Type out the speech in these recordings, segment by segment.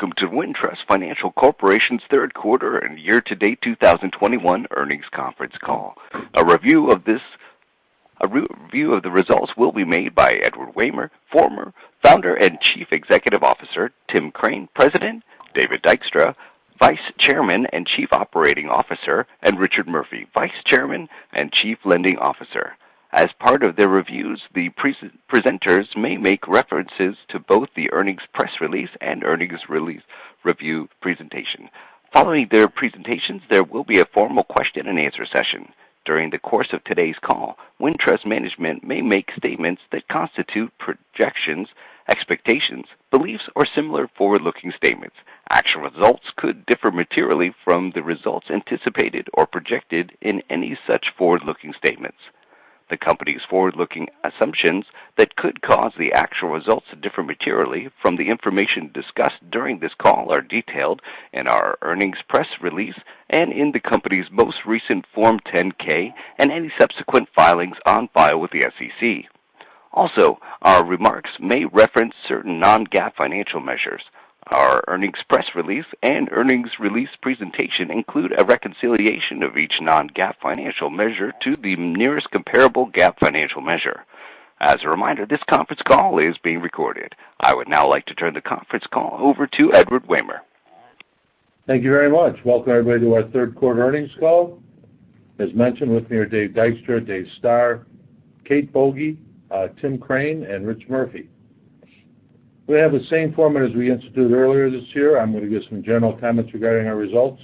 Welcome to Wintrust Financial Corporation's third quarter and year-to-date 2021 earnings conference call. A review of the results will be made by Edward Wehmer, Founder and Chief Executive Officer, Tim Crane, President, David Dykstra, Vice Chairman and Chief Operating Officer, and Richard Murphy, Vice Chairman and Chief Lending Officer. As part of their reviews, the presenters may make references to both the earnings press release and earnings release review presentation. Following their presentations, there will be a formal question-and-answer session. During the course of today's call, Wintrust management may make statements that constitute projections, expectations, beliefs, or similar forward-looking statements. Actual results could differ materially from the results anticipated or projected in any such forward-looking statements. The company's forward-looking assumptions that could cause the actual results to differ materially from the information discussed during this call are detailed in our earnings press release and in the company's most recent Form 10-K and any subsequent filings on file with the SEC. Also, our remarks may reference certain non-GAAP financial measures. Our earnings press release and earnings release presentation include a reconciliation of each non-GAAP financial measure to the nearest comparable GAAP financial measure. As a reminder, this conference call is being recorded. I would now like to turn the conference call over to Edward Wehmer. Thank you very much. Welcome, everybody, to our third quarter earnings call. As mentioned, with me are Dave Dykstra, Dave Stoehr, Kate Boege, Tim Crane, and Rich Murphy. We have the same format as we instituted earlier this year. I'm going to give some general comments regarding our results,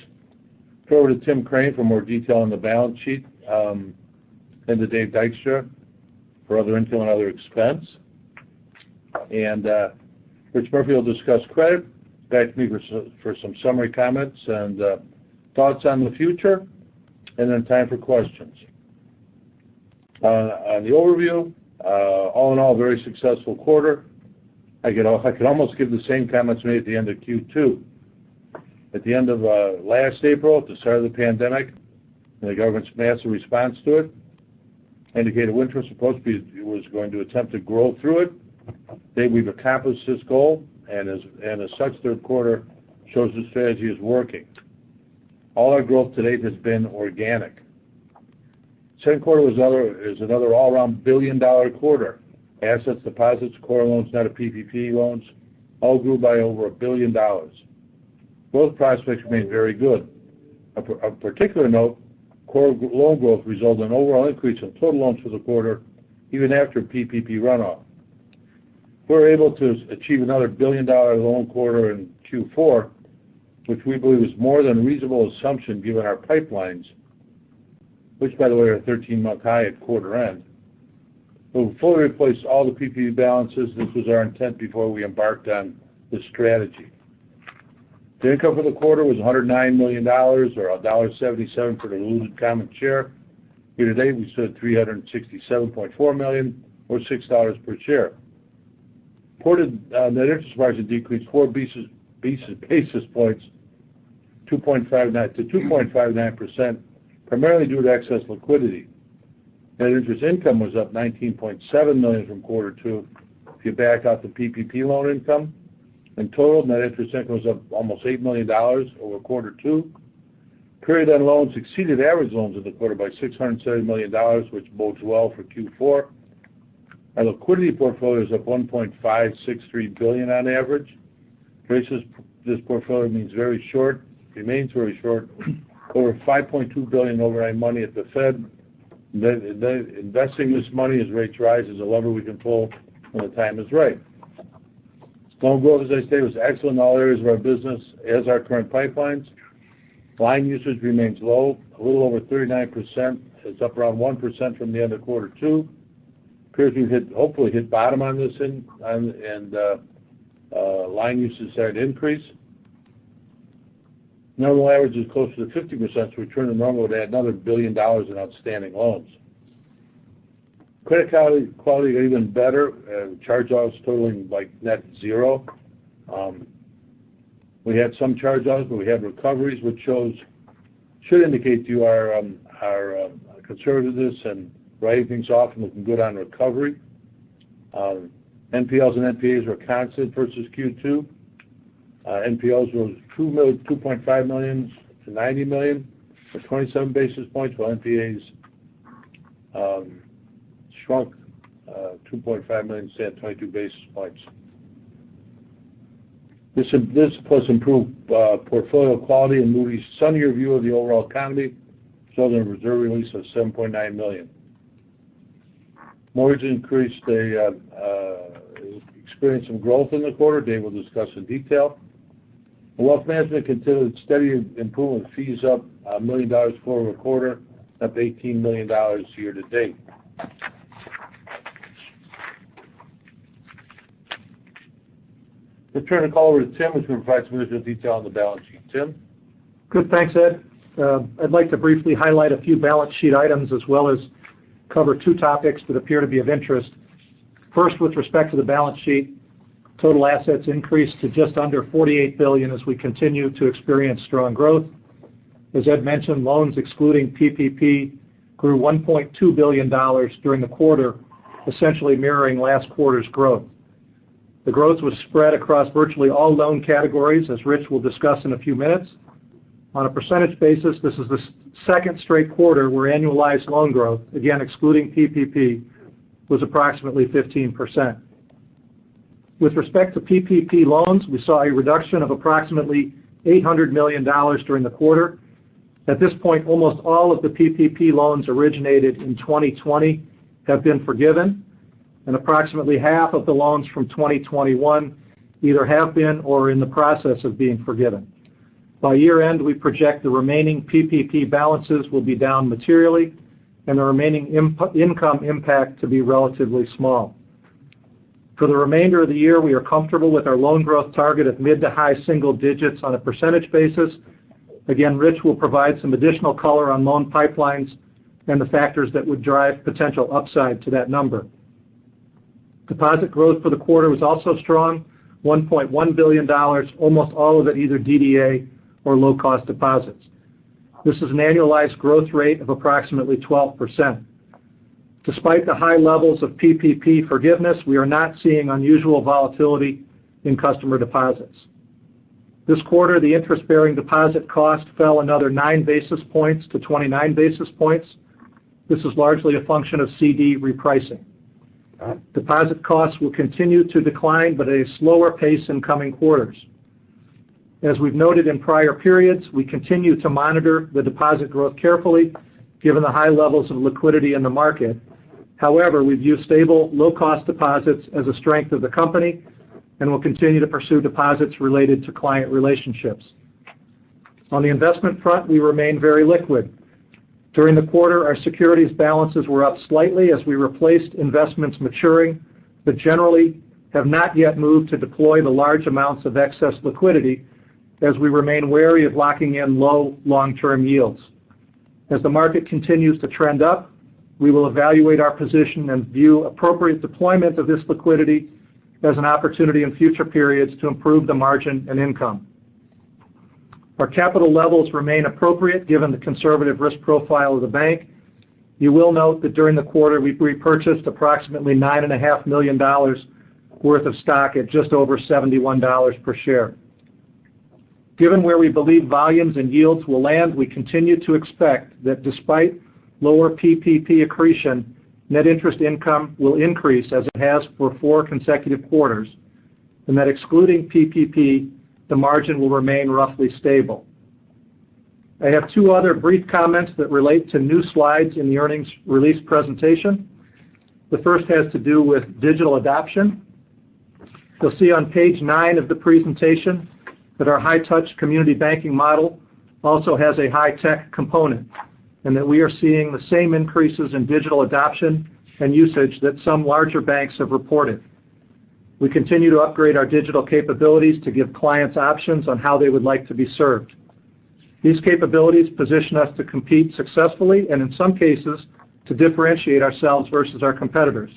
go over to Tim Crane for more detail on the balance sheet, to Dave Dykstra for other income and other expense. Rich Murphy will discuss credit. Back to me for some summary comments and thoughts on the future, time for questions. On the overview, all in all, a very successful quarter. I could almost give the same comments made at the end of Q2. At the end of last April, at the start of the pandemic, the government's massive response to it indicated Wintrust was going to attempt to grow through it. I think we've accomplished this goal, third quarter shows the strategy is working. All our growth to date has been organic. Second quarter is another all-around billion-dollar quarter. Assets, deposits, core loans, net of PPP loans, all grew by over $1 billion. Growth prospects remain very good. Of particular note, core loan growth resulted in overall increase in total loans for the quarter even after PPP runoff. We're able to achieve another billion-dollar loan quarter in Q4, which we believe is more than a reasonable assumption given our pipelines, which by the way, are at a 13-month high at quarter end. We'll fully replace all the PPP balances. This was our intent before we embarked on this strategy. The income for the quarter was $109 million, or $1.77 for the diluted common share. Year to date, we sit at $367.4 million or $6 per share. Reported net interest margin decreased four basis points, 2.59% primarily due to excess liquidity. Net interest income was up $19.7 million from quarter two if you back out the PPP loan income. In total, net interest income was up almost $8 million over quarter two. Period end loans exceeded average loans of the quarter by $670 million, which bodes well for Q4. Our liquidity portfolio is up $1.563 billion on average. This portfolio remains very short. Over $5.2 billion overnight money at the Fed. Investing this money as rates rise is a lever we can pull when the time is right. Loan growth, as I stated, was excellent in all areas of our business as our current pipelines. Line usage remains low, a little over 39%. It's up around 1% from the end of quarter two. It appears we've hopefully hit bottom on this, and line usage is set to increase. Normal average is closer to 50%. We turn the number, we'll add another $1 billion in outstanding loans. Credit quality even better, with charge-offs totaling net zero. We had some charge-offs, but we had recoveries, which should indicate to you our conservativeness and writing things off, and looking good on recovery. NPLs and NPAs were constant versus Q2. NPLs rose $2.5 million to $90 million, or 27 basis points, while NPAs shrunk $2.5 million, sat at 22 basis points. This plus improved portfolio quality and movie sunnier view of the overall economy, resulting in reserve release of $7.9 million. Mortgages experienced some growth in the quarter. Dave will discuss in detail. Wealth management continued its steady improvement, fees up $1 million quarter-over-quarter, up $18 million year-to-date. Let's turn the call over to Tim, which will provide some additional detail on the balance sheet. Tim? Good. Thanks, Ed. I'd like to briefly highlight a few balance sheet items as well as cover two topics that appear to be of interest. First, with respect to the balance sheet, total assets increased to just under $48 billion as we continue to experience strong growth. As Ed mentioned, loans excluding PPP grew $1.2 billion during the quarter, essentially mirroring last quarter's growth. The growth was spread across virtually all loan categories, as Rich will discuss in a few minutes. On a percentage basis, this is the second straight quarter where annualized loan growth, again, excluding PPP, was approximately 15%. With respect to PPP loans, we saw a reduction of approximately $800 million during the quarter. At this point, almost all of the PPP loans originated in 2020 have been forgiven, and approximately half of the loans from 2021 either have been or are in the process of being forgiven. By year-end, we project the remaining PPP balances will be down materially and the remaining income impact to be relatively small. For the remainder of the year, we are comfortable with our loan growth target of mid to high single digits on a percentage basis. Rich will provide some additional color on loan pipelines and the factors that would drive potential upside to that number. Deposit growth for the quarter was also strong, $1.1 billion, almost all of it either DDA or low-cost deposits. This is an annualized growth rate of approximately 12%. Despite the high levels of PPP forgiveness, we are not seeing unusual volatility in customer deposits. This quarter, the interest-bearing deposit cost fell another nine basis points to 29 basis points. This is largely a function of CD repricing. Deposit costs will continue to decline, but at a slower pace in coming quarters. As we've noted in prior periods, we continue to monitor the deposit growth carefully given the high levels of liquidity in the market. However, we view stable low-cost deposits as a strength of the company and will continue to pursue deposits related to client relationships. On the investment front, we remain very liquid. During the quarter, our securities balances were up slightly as we replaced investments maturing, but generally have not yet moved to deploy the large amounts of excess liquidity as we remain wary of locking in low long-term yields. As the market continues to trend up, we will evaluate our position and view appropriate deployment of this liquidity as an opportunity in future periods to improve the margin and income. Our capital levels remain appropriate given the conservative risk profile of the bank. You will note that during the quarter, we repurchased approximately $9.5 million worth of stock at just over $71 per share. Given where we believe volumes and yields will land, we continue to expect that despite lower PPP accretion, net interest income will increase as it has for four consecutive quarters, and that excluding PPP, the margin will remain roughly stable. I have two other brief comments that relate to new slides in the earnings release presentation. The first has to do with digital adoption. You'll see on page nine of the presentation that our high-touch community banking model also has a high-tech component, and that we are seeing the same increases in digital adoption and usage that some larger banks have reported. We continue to upgrade our digital capabilities to give clients options on how they would like to be served. These capabilities position us to compete successfully and, in some cases, to differentiate ourselves versus our competitors.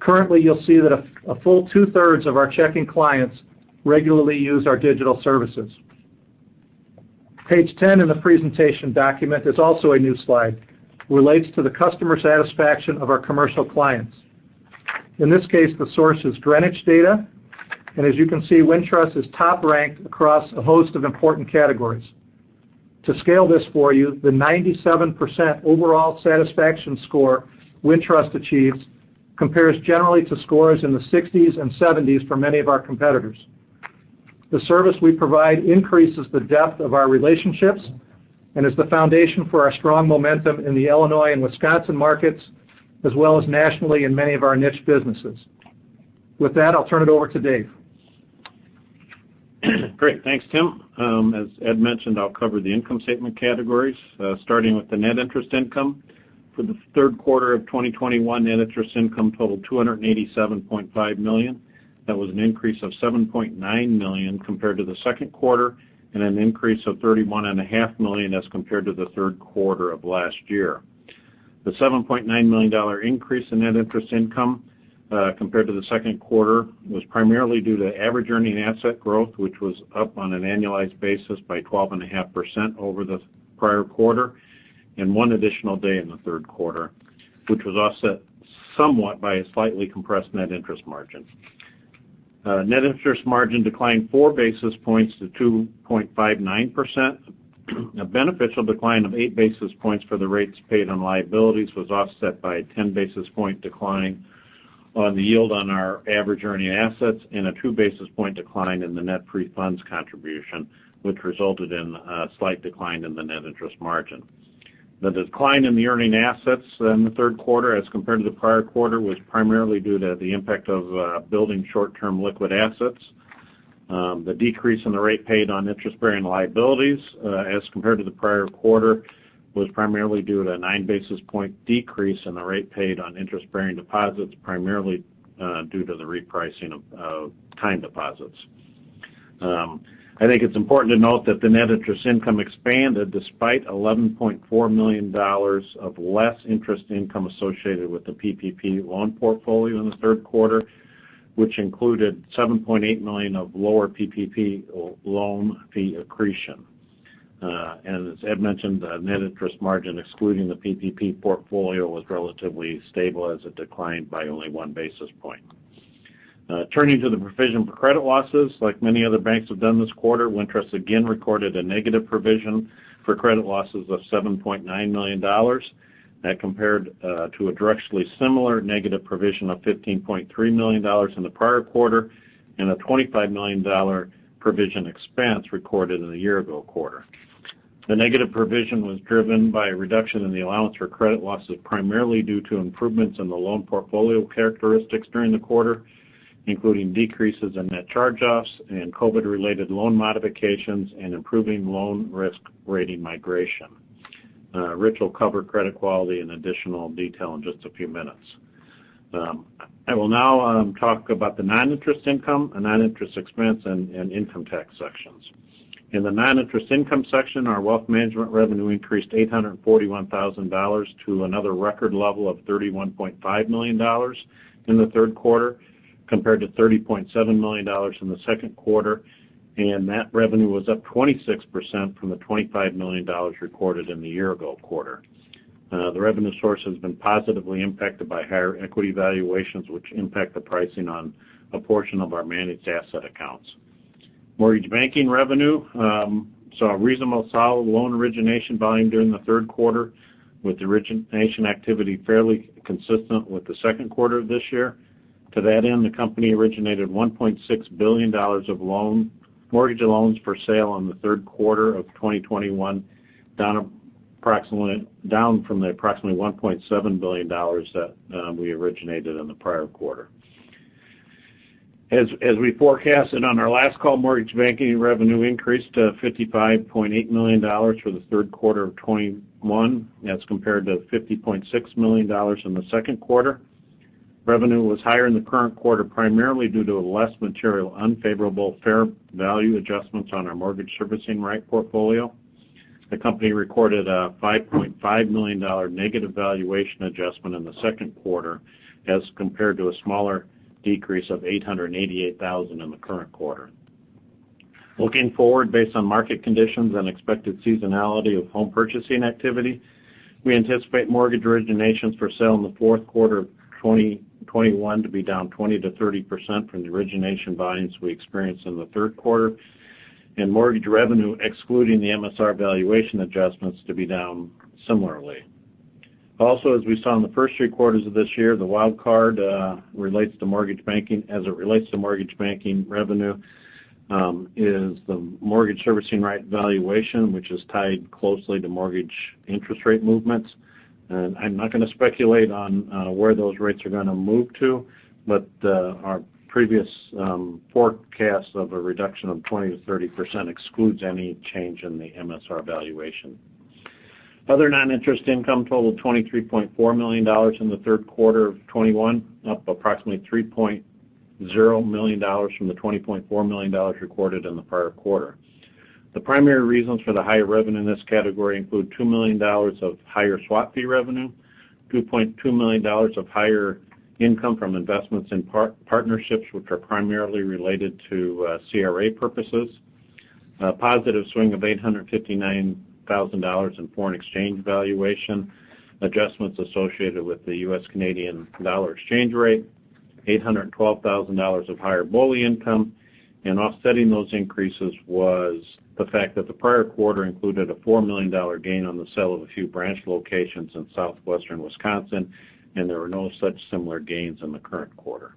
Currently, you'll see that a full two-thirds of our checking clients regularly use our digital services. Page 10 in the presentation document is also a new slide. It relates to the customer satisfaction of our commercial clients. In this case, the source is Greenwich data. As you can see, Wintrust is top ranked across a host of important categories. To scale this for you, the 97% overall satisfaction score Wintrust achieves compares generally to scores in the 60s and 70s for many of our competitors. The service we provide increases the depth of our relationships and is the foundation for our strong momentum in the Illinois and Wisconsin markets, as well as nationally in many of our niche businesses. With that, I'll turn it over to Dave. Great. Thanks, Tim. As Ed mentioned, I'll cover the income statement categories, starting with the net interest income. For the third quarter of 2021, net interest income totaled $287.5 million. That was an increase of $7.9 million compared to the second quarter and an increase of $31.5 million as compared to the third quarter of last year. The $7.9 million increase in net interest income, compared to the second quarter, was primarily due to average earning asset growth, which was up on an annualized basis by 12.5% over the prior quarter and one additional day in the third quarter, which was offset somewhat by a slightly compressed net interest margin. Net interest margin declined four basis points to 2.59%. A beneficial decline of eight basis points for the rates paid on liabilities was offset by a 10 basis point decline on the yield on our average earning assets and a two basis point decline in the net pre-funds contribution, which resulted in a slight decline in the net interest margin. The decline in the earning assets in the third quarter as compared to the prior quarter was primarily due to the impact of building short-term liquid assets. The decrease in the rate paid on interest-bearing liabilities, as compared to the prior quarter, was primarily due to a nine basis point decrease in the rate paid on interest-bearing deposits, primarily due to the repricing of time deposits. I think it's important to note that the net interest income expanded despite $11.4 million of less interest income associated with the PPP loan portfolio in the third quarter. Which included $7.8 million of lower PPP loan fee accretion. As Ed mentioned, the net interest margin, excluding the PPP portfolio, was relatively stable as it declined by only one basis point. Turning to the provision for credit losses, like many other banks have done this quarter, Wintrust again recorded a negative provision for credit losses of $7.9 million. That compared to a directionally similar negative provision of $15.3 million in the prior quarter, and a $25 million provision expense recorded in the year-ago quarter. The negative provision was driven by a reduction in the allowance for credit losses, primarily due to improvements in the loan portfolio characteristics during the quarter, including decreases in net charge-offs and COVID-related loan modifications and improving loan risk rating migration. Rich will cover credit quality in additional detail in just a few minutes. I will now talk about the non-interest income and non-interest expense and income tax sections. In the non-interest income section, our wealth management revenue increased $841,000 to another record level of $31.5 million in the third quarter, compared to $30.7 million in the second quarter. Net revenue was up 26% from the $25 million recorded in the year-ago quarter. The revenue source has been positively impacted by higher equity valuations, which impact the pricing on a portion of our managed asset accounts. Mortgage banking revenue saw a reasonable solid loan origination volume during the third quarter, with origination activity fairly consistent with the second quarter of this year. To that end, the company originated $1.6 billion of mortgage loans for sale in the third quarter of 2021, down from the approximately $1.7 billion that we originated in the prior quarter. As we forecasted on our last call, mortgage banking revenue increased to $55.8 million for the third quarter of 2021, as compared to $50.6 million in the second quarter. Revenue was higher in the current quarter, primarily due to a less material unfavorable fair value adjustments on our mortgage servicing right portfolio. The company recorded a $5.5 million negative valuation adjustment in the second quarter as compared to a smaller decrease of $888,000 in the current quarter. Looking forward, based on market conditions and expected seasonality of home purchasing activity, we anticipate mortgage originations for sale in the fourth quarter of 2021 to be down 20%-30% from the origination volumes we experienced in the third quarter, and mortgage revenue, excluding the MSR valuation adjustments, to be down similarly. As we saw in the first three quarters of this year, the wild card as it relates to mortgage banking revenue is the mortgage servicing right valuation, which is tied closely to mortgage interest rate movements. I'm not going to speculate on where those rates are going to move to, but our previous forecast of a reduction of 20%-30% excludes any change in the MSR valuation. Other non-interest income totaled $23.4 million in the third quarter of 2021, up approximately $3.0 million from the $20.4 million recorded in the prior quarter. The primary reasons for the higher revenue in this category include $2 million of higher swap fee revenue, $2.2 million of higher income from investments in partnerships which are primarily related to CRA purposes. A positive swing of $859,000 in foreign exchange valuation adjustments associated with the U.S. Canadian dollar exchange rate, $812,000 of higher BOLI income. Offsetting those increases was the fact that the prior quarter included a $4 million gain on the sale of a few branch locations in southwestern Wisconsin, and there were no such similar gains in the current quarter.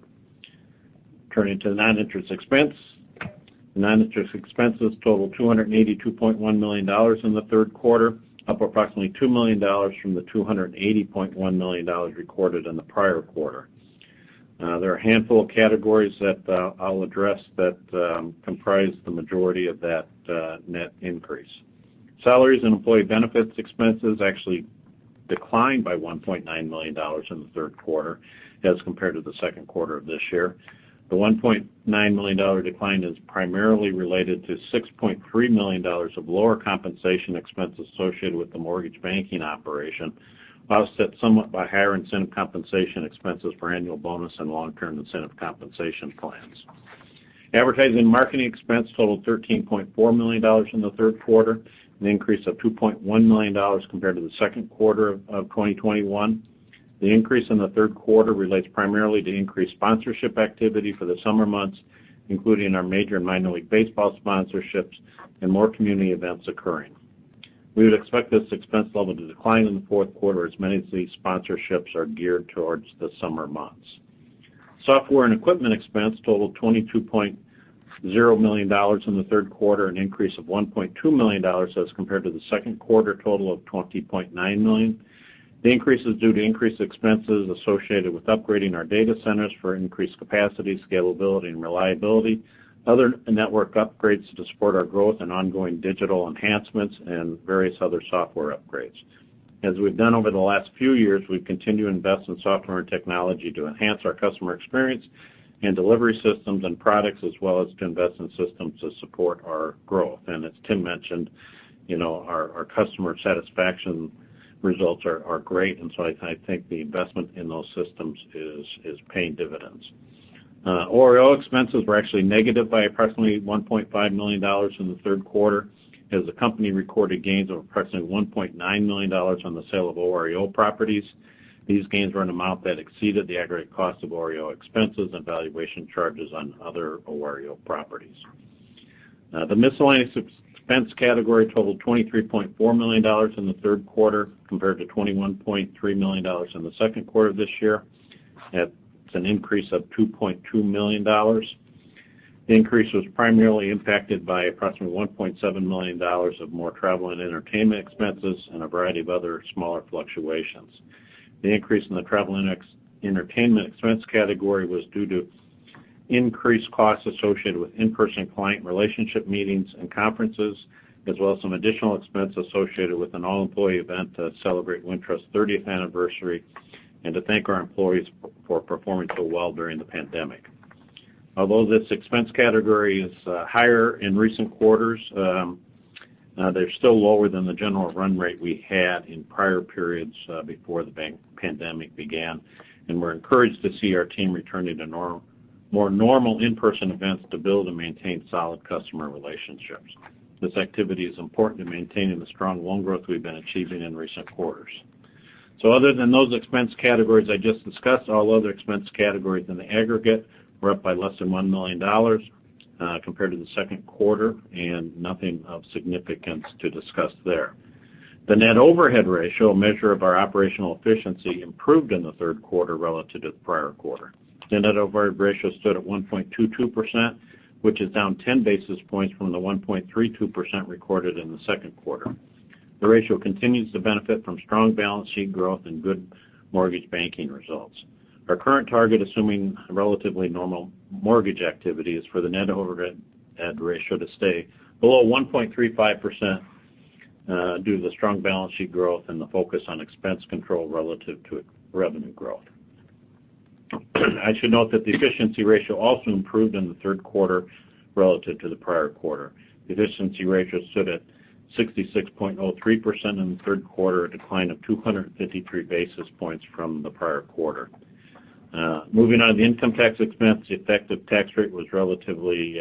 Turning to the non-interest expense. Non-interest expenses totaled $282.1 million in the third quarter, up approximately $2 million from the $280.1 million recorded in the prior quarter. There are a handful of categories that I'll address that comprise the majority of that net increase. Salaries and employee benefits expenses actually declined by $1.9 million in the third quarter as compared to the second quarter of this year. The $1.9 million decline is primarily related to $6.3 million of lower compensation expense associated with the mortgage banking operation, offset somewhat by higher incentive compensation expenses for annual bonus and long-term incentive compensation plans. Advertising and marketing expense totaled $13.4 million in the third quarter, an increase of $2.1 million compared to the second quarter of 2021. The increase in the third quarter relates primarily to increased sponsorship activity for the summer months, including our major and minor league baseball sponsorships and more community events occurring. We would expect this expense level to decline in the fourth quarter as many of these sponsorships are geared towards the summer months. Software and equipment expense totaled $22.0 million in the third quarter, an increase of $1.2 million as compared to the second quarter total of $20.9 million. The increase is due to increased expenses associated with upgrading our data centers for increased capacity, scalability, and reliability. Other network upgrades to support our growth and ongoing digital enhancements, and various other software upgrades. As we've done over the last few years, we've continued to invest in software and technology to enhance our customer experience and delivery systems and products as well as to invest in systems to support our growth. As Tim mentioned, our customer satisfaction results are great, I think the investment in those systems is paying dividends. OREO expenses were actually negative by approximately $1.5 million in the third quarter as the company recorded gains of approximately $1.9 million on the sale of OREO properties. These gains were an amount that exceeded the aggregate cost of OREO expenses and valuation charges on other OREO properties. The miscellaneous expense category totaled $23.4 million in the third quarter, compared to $21.3 million in the second quarter this year. That's an increase of $2.2 million. The increase was primarily impacted by approximately $1.7 million of more travel and entertainment expenses and a variety of other smaller fluctuations. The increase in the travel and entertainment expense category was due to increased costs associated with in-person client relationship meetings and conferences, as well as some additional expense associated with an all-employee event to celebrate Wintrust's 30th anniversary and to thank our employees for performing so well during the pandemic. Although this expense category is higher in recent quarters, they're still lower than the general run rate we had in prior periods before the pandemic began, we're encouraged to see our team returning to more normal in-person events to build and maintain solid customer relationships. This activity is important in maintaining the strong loan growth we've been achieving in recent quarters. Other than those expense categories I just discussed, all other expense categories in the aggregate were up by less than $1 million compared to the second quarter, nothing of significance to discuss there. The net overhead ratio, a measure of our operational efficiency, improved in the third quarter relative to the prior quarter. The net overhead ratio stood at 1.22%, which is down 10 basis points from the 1.32% recorded in the second quarter. The ratio continues to benefit from strong balance sheet growth and good mortgage banking results. Our current target, assuming relatively normal mortgage activity, is for the net overhead ratio to stay below 1.35% due to the strong balance sheet growth and the focus on expense control relative to revenue growth. I should note that the efficiency ratio also improved in the third quarter relative to the prior quarter. The efficiency ratio stood at 66.03% in the third quarter, a decline of 253 basis points from the prior quarter. Moving on to the income tax expense. The effective tax rate was relatively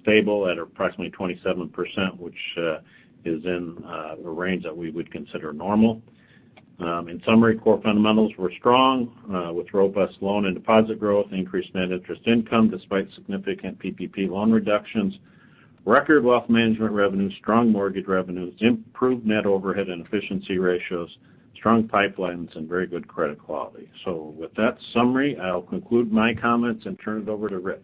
stable at approximately 27%, which is in the range that we would consider normal. In summary, core fundamentals were strong with robust loan and deposit growth, increased net interest income despite significant PPP loan reductions, record wealth management revenue, strong mortgage revenues, improved net overhead and efficiency ratios, strong pipelines, and very good credit quality. With that summary, I'll conclude my comments and turn it over to Rich.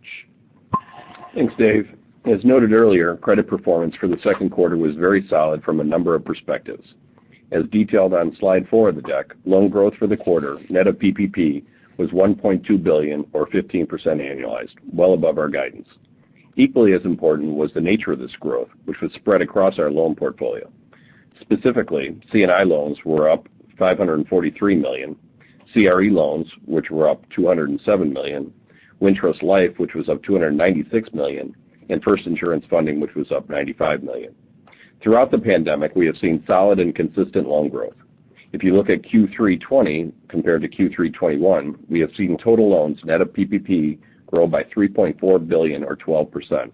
Thanks, Dave. As noted earlier, credit performance for the second quarter was very solid from a number of perspectives. As detailed on slide four of the deck, loan growth for the quarter, net of PPP, was $1.2 billion or 15% annualized, well above our guidance. Equally as important was the nature of this growth, which was spread across our loan portfolio. Specifically, C&I loans were up $543 million, CRE loans which were up $207 million, Wintrust Life which was up $296 million, and FIRST Insurance Funding which was up $95 million. Throughout the pandemic, we have seen solid and consistent loan growth. If you look at Q3 2020 compared to Q3 2021, we have seen total loans net of PPP grow by $3.4 billion or 12%.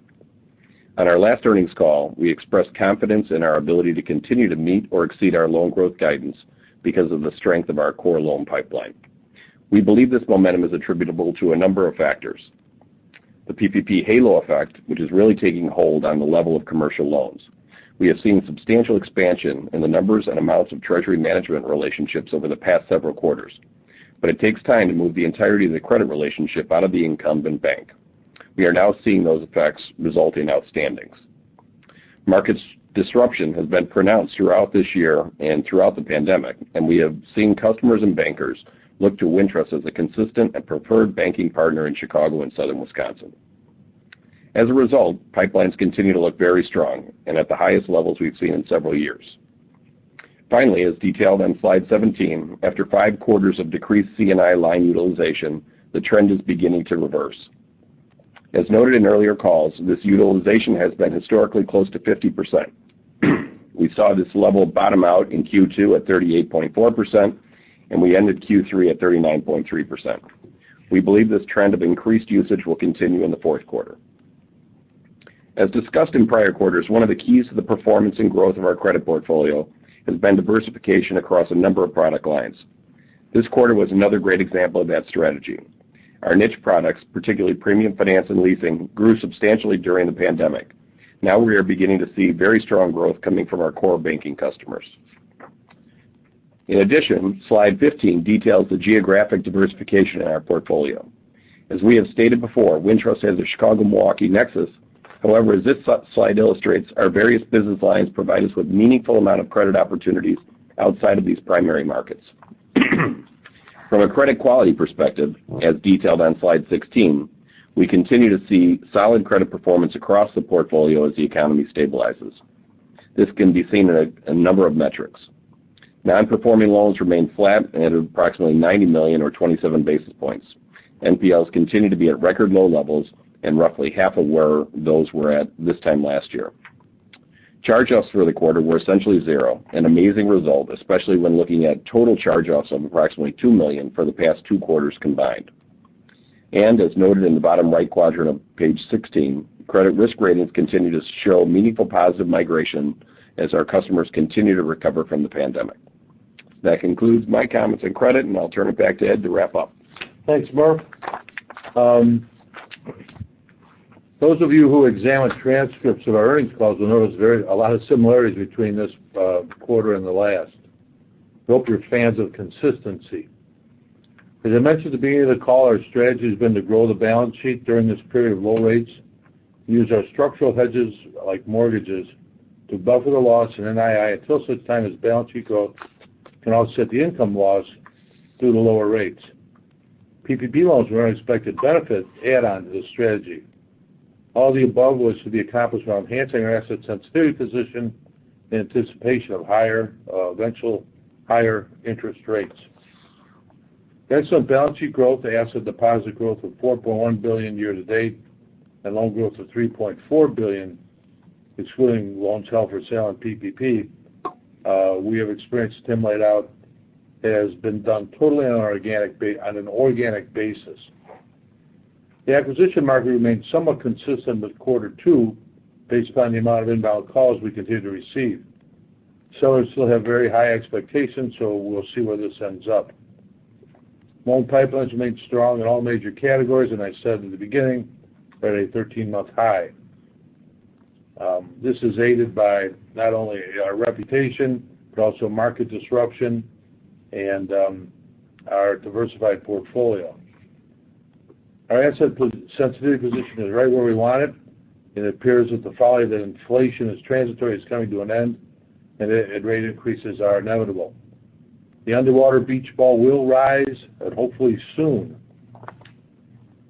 On our last earnings call, we expressed confidence in our ability to continue to meet or exceed our loan growth guidance because of the strength of our core loan pipeline. We believe this momentum is attributable to a number of factors. The PPP halo effect, which is really taking hold on the level of commercial loans. We have seen substantial expansion in the numbers and amounts of treasury management relationships over the past several quarters. It takes time to move the entirety of the credit relationship out of the incumbent bank. We are now seeing those effects result in outstandings. Market disruption has been pronounced throughout this year and throughout the pandemic, we have seen customers and bankers look to Wintrust as a consistent and preferred banking partner in Chicago and Southern Wisconsin. As a result, pipelines continue to look very strong and at the highest levels we've seen in several years. Finally, as detailed on slide 17, after five quarters of decreased C&I line utilization, the trend is beginning to reverse. As noted in earlier calls, this utilization has been historically close to 50%. We saw this level bottom out in Q2 at 38.4%, and we ended Q3 at 39.3%. We believe this trend of increased usage will continue in the fourth quarter. As discussed in prior quarters, one of the keys to the performance and growth of our credit portfolio has been diversification across a number of product lines. This quarter was another great example of that strategy. Our niche products, particularly premium finance and leasing, grew substantially during the pandemic. We are beginning to see very strong growth coming from our core banking customers. In addition, slide 15 details the geographic diversification in our portfolio. As we have stated before, Wintrust has a Chicago-Milwaukee nexus. As this slide illustrates, our various business lines provide us with meaningful amount of credit opportunities outside of these primary markets. From a credit quality perspective, as detailed on slide 16, we continue to see solid credit performance across the portfolio as the economy stabilizes. This can be seen in a number of metrics. Non-Performing Loans remain flat at approximately $90 million or 27 basis points. NPLs continue to be at record low levels and roughly half of where those were at this time last year. Charge-offs for the quarter were essentially zero, an amazing result, especially when looking at total charge-offs of approximately $2 million for the past two quarters combined. As noted in the bottom right quadrant of page 16, credit risk ratings continue to show meaningful positive migration as our customers continue to recover from the pandemic. That concludes my comments on credit, and I will turn it back to Ed to wrap up. Thanks, Murph. Those of you who examine transcripts of our earnings calls will notice a lot of similarities between this quarter and the last. Hope you are fans of consistency. As I mentioned at the beginning of the call, our strategy has been to grow the balance sheet during this period of low rates, use our structural hedges like mortgages to buffer the loss in NII until such time as balance sheet growth can offset the income loss through the lower rates. PPP loans were an unexpected benefit to add on to this strategy. All the above was to be accomplished while enhancing our asset sensitivity position in anticipation of eventual higher interest rates. Based on balance sheet growth, asset deposit growth of $4.1 billion year-to-date, and loan growth of $3.4 billion, excluding loans held for sale and PPP, we have experienced timelied out. It has been done totally on an organic basis. The acquisition market remains somewhat consistent with quarter two based upon the amount of inbound calls we continue to receive. Sellers still have very high expectations, we will see where this ends up. Loan pipelines remain strong in all major categories. I said in the beginning, we are at a 13-month high. This is aided by not only our reputation, but also market disruption and our diversified portfolio. Our asset sensitivity position is right where we want it. It appears that the folly that inflation is transitory is coming to an end, and rate increases are inevitable. The underwater beach ball will rise, and hopefully soon.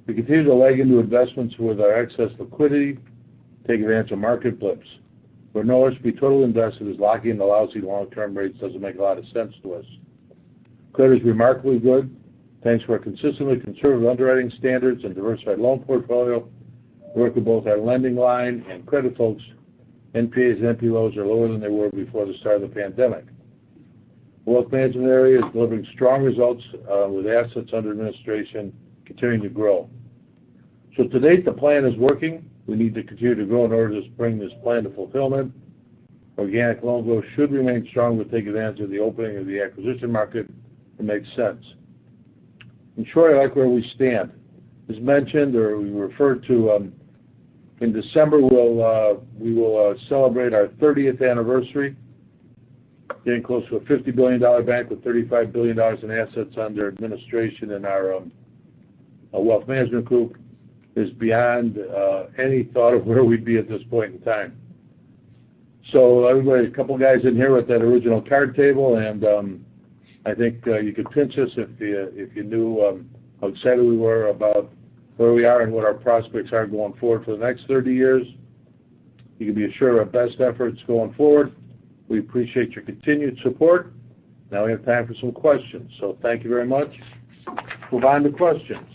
We continue to leg into investments with our excess liquidity, take advantage of market blips. For an OSB, total invested is locking in the lousy long-term rates does not make a lot of sense to us. Credit is remarkably good. Thanks to our consistently conservative underwriting standards and diversified loan portfolio, work of both our lending line and credit folks, NPAs and NPLs are lower than they were before the start of the pandemic. Wealth management area is delivering strong results, with assets under administration continuing to grow. To date, the plan is working. We need to continue to grow in order to bring this plan to fulfillment. Organic loan growth should remain strong. We will take advantage of the opening of the acquisition market. It makes sense. I am sure I like where we stand. As mentioned, or we referred to, in December, we will celebrate our 30th anniversary, getting close to a $50 billion bank with $35 billion in assets under administration, and our wealth management group is beyond any thought of where we would be at this point in time. I've got a couple guys in here with that original card table, and I think you could pinch us if you knew how excited we were about where we are and what our prospects are going forward for the next 30 years. You can be assured our best efforts going forward. We appreciate your continued support. We have time for some questions. Thank you very much. Move on to questions.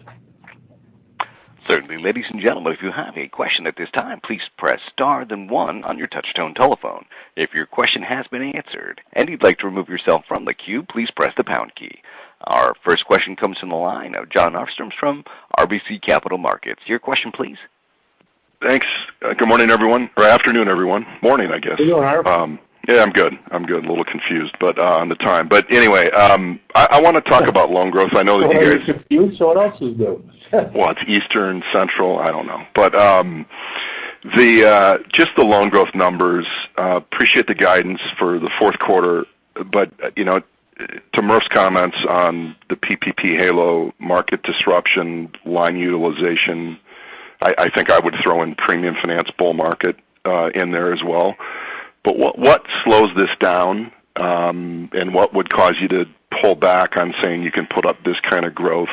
Certainly, ladies and gentlemen, if you have a question at this time, please press star then one on your touch tone telephone. If your question has been answered and you'd like to remove yourself from the queue, please press the pound key. Our first question comes from the line of Jon Arfstrom from RBC Capital Markets. Your question, please. Thanks. Good morning, everyone, or afternoon, everyone. Morning, I guess. How are you, Jon? Yeah, I'm good. I'm good. A little confused on the time. Anyway, I want to talk about loan growth. I know that you guys- If you're confused, someone else is, though. Well, it's Eastern, Central, I don't know. Just the loan growth numbers, appreciate the guidance for the fourth quarter. To Murph's comments on the PPP halo market disruption, line utilization, I think I would throw in premium finance bull market in there as well. What slows this down, and what would cause you to pull back on saying you can put up this kind of growth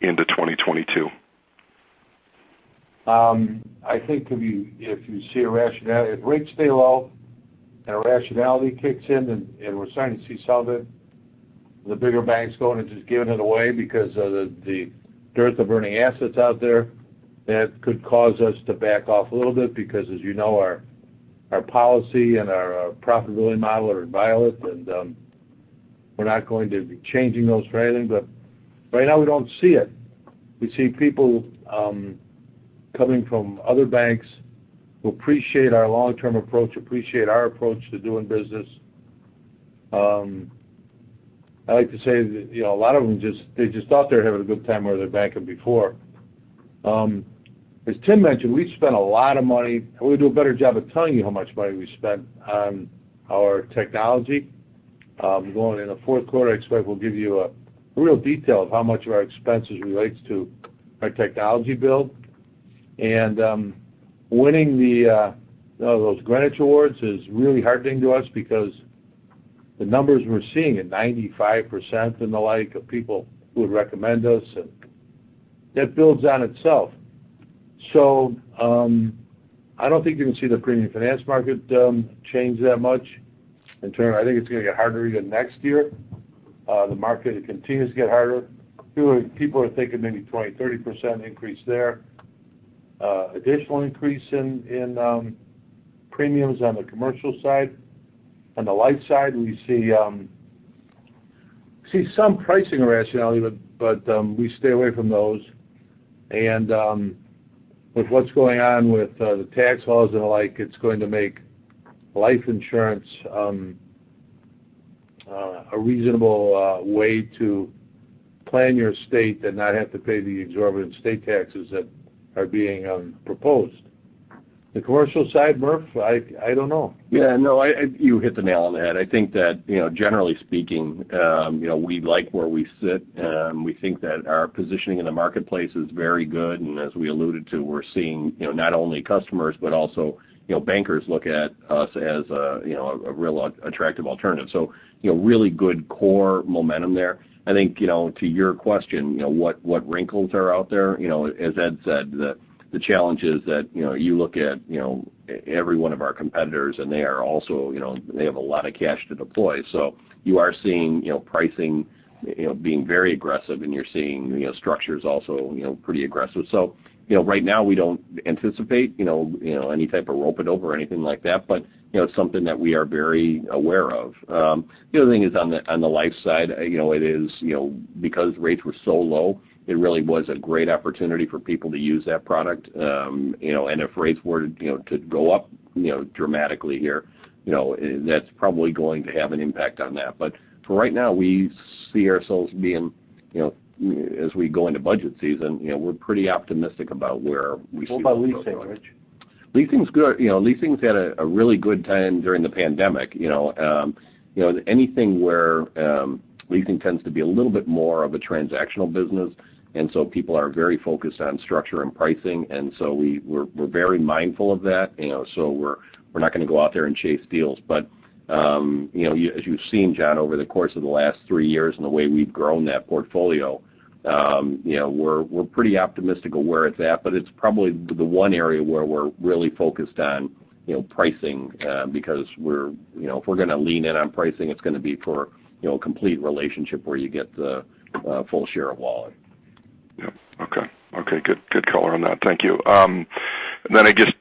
into 2022? I think if you see irrationality if rates stay low and irrationality kicks in, and we're starting to see some of it, the bigger banks going and just giving it away because of the dearth of earning assets out there, that could cause us to back off a little bit because as you know, our policy and our profitability model are violent, and we're not going to be changing those for anything. Right now we don't see it. We see people coming from other banks who appreciate our long-term approach, appreciate our approach to doing business. I like to say that a lot of them, they just thought they were having a good time with their banking before. As Tim mentioned, we spent a lot of money, and we'll do a better job of telling you how much money we spent on our technology. Going into fourth quarter, I expect we'll give you a real detail of how much of our expenses relates to our technology build. Winning those Coalition Greenwich awards is really heartening to us because the numbers we're seeing at 95% and the like of people who would recommend us, that builds on itself. I don't think you can see the premium finance market change that much. In turn, I think it's going to get harder even next year. The market continues to get harder. People are thinking maybe 20%-30% increase there. Additional increase in premiums on the commercial side. On the life side, we see some pricing irrationality, but we stay away from those. With what's going on with the tax laws and the like, it's going to make life insurance a reasonable way to plan your estate and not have to pay the exorbitant estate taxes that are being proposed. The commercial side, Murph, I don't know. You hit the nail on the head. I think that, generally speaking, we like where we sit. We think that our positioning in the marketplace is very good, as we alluded to, we're seeing not only customers, but also bankers look at us as a real attractive alternative. Really good core momentum there. I think, to your question, what wrinkles are out there? As Ed said, the challenge is that you look at every one of our competitors, they have a lot of cash to deploy. You are seeing pricing being very aggressive, and you're seeing structures also pretty aggressive. Right now, we don't anticipate any type of rope it over or anything like that. It's something that we are very aware of. The other thing is on the life side, because rates were so low, it really was a great opportunity for people to use that product. If rates were to go up dramatically here, that's probably going to have an impact on that. For right now, we see ourselves being, as we go into budget season, we're pretty optimistic. What about leasing, Rich? Leasing's had a really good time during the pandemic. Leasing tends to be a little bit more of a transactional business, people are very focused on structure and pricing. We're very mindful of that. We're not going to go out there and chase deals. As you've seen, John, over the course of the last three years and the way we've grown that portfolio, we're pretty optimistic of where it's at. It's probably the one area where we're really focused on pricing because if we're going to lean in on pricing, it's going to be for a complete relationship where you get the full share of wallet. Yep. Okay. Good color on that. Thank you.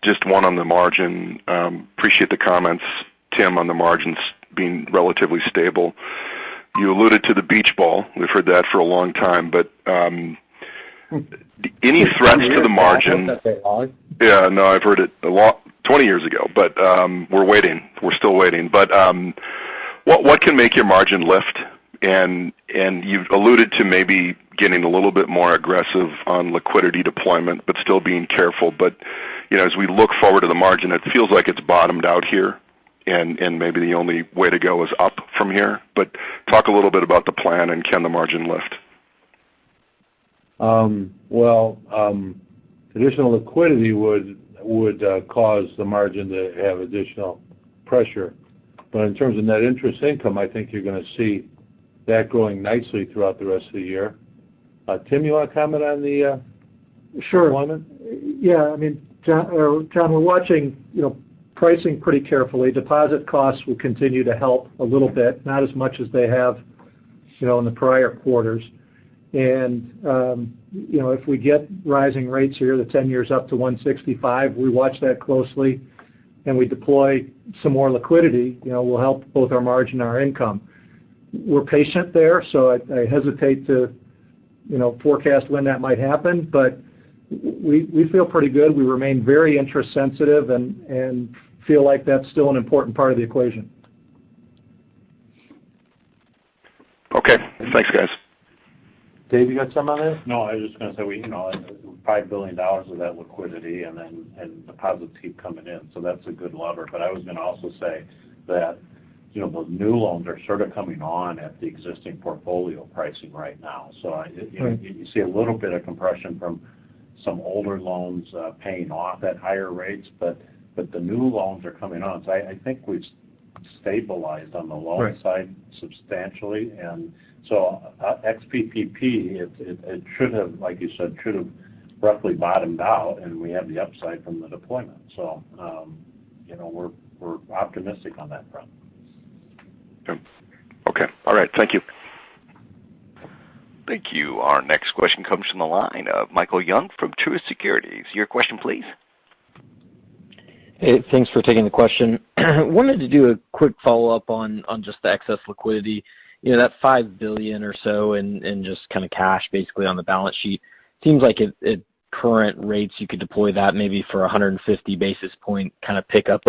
Just one on the margin. Appreciate the comments, Tim, on the margins being relatively stable. You alluded to the beach ball. We've heard that for a long time, any threats to the margin? Is that the same ball we've heard that they lost? Yeah, no, I've heard it 20 years ago. We're waiting. We're still waiting. What can make your margin lift? You've alluded to maybe getting a little bit more aggressive on liquidity deployment, but still being careful. As we look forward to the margin, it feels like it's bottomed out here, and maybe the only way to go is up from here. Talk a little bit about the plan, and can the margin lift? Well, additional liquidity would cause the margin to have additional pressure. In terms of net interest income, I think you're going to see that growing nicely throughout the rest of the year. Tim, you want to comment on the- Sure margin? Yeah. John, we're watching pricing pretty carefully. Deposit costs will continue to help a little bit, not as much as they have in the prior quarters. If we get rising rates here, the 10-years up to 165, we watch that closely, and we deploy some more liquidity, will help both our margin and our income. We're patient there. I hesitate to forecast when that might happen, but we feel pretty good. We remain very interest sensitive and feel like that's still an important part of the equation. Okay. Thanks, guys. Dave, you got something on that? I was just going to say, $5 billion of that liquidity and deposits keep coming in, that's a good lever. I was going to also say that those new loans are sort of coming on at the existing portfolio pricing right now. You see a little bit of compression from some older loans paying off at higher rates. The new loans are coming on. I think we've stabilized on the loan side substantially. Ex-PPP, like you said, should have roughly bottomed out, and we have the upside from the deployment. We're optimistic on that front. Okay. All right. Thank you. Thank you. Our next question comes from the line of Michael Young from Truist Securities. Your question, please. Hey, thanks for taking the question. Wanted to do a quick follow-up on just the excess liquidity. That $5 billion or so in just kind of cash basically on the balance sheet, seems like at current rates, you could deploy that maybe for 150 basis point kind of pick up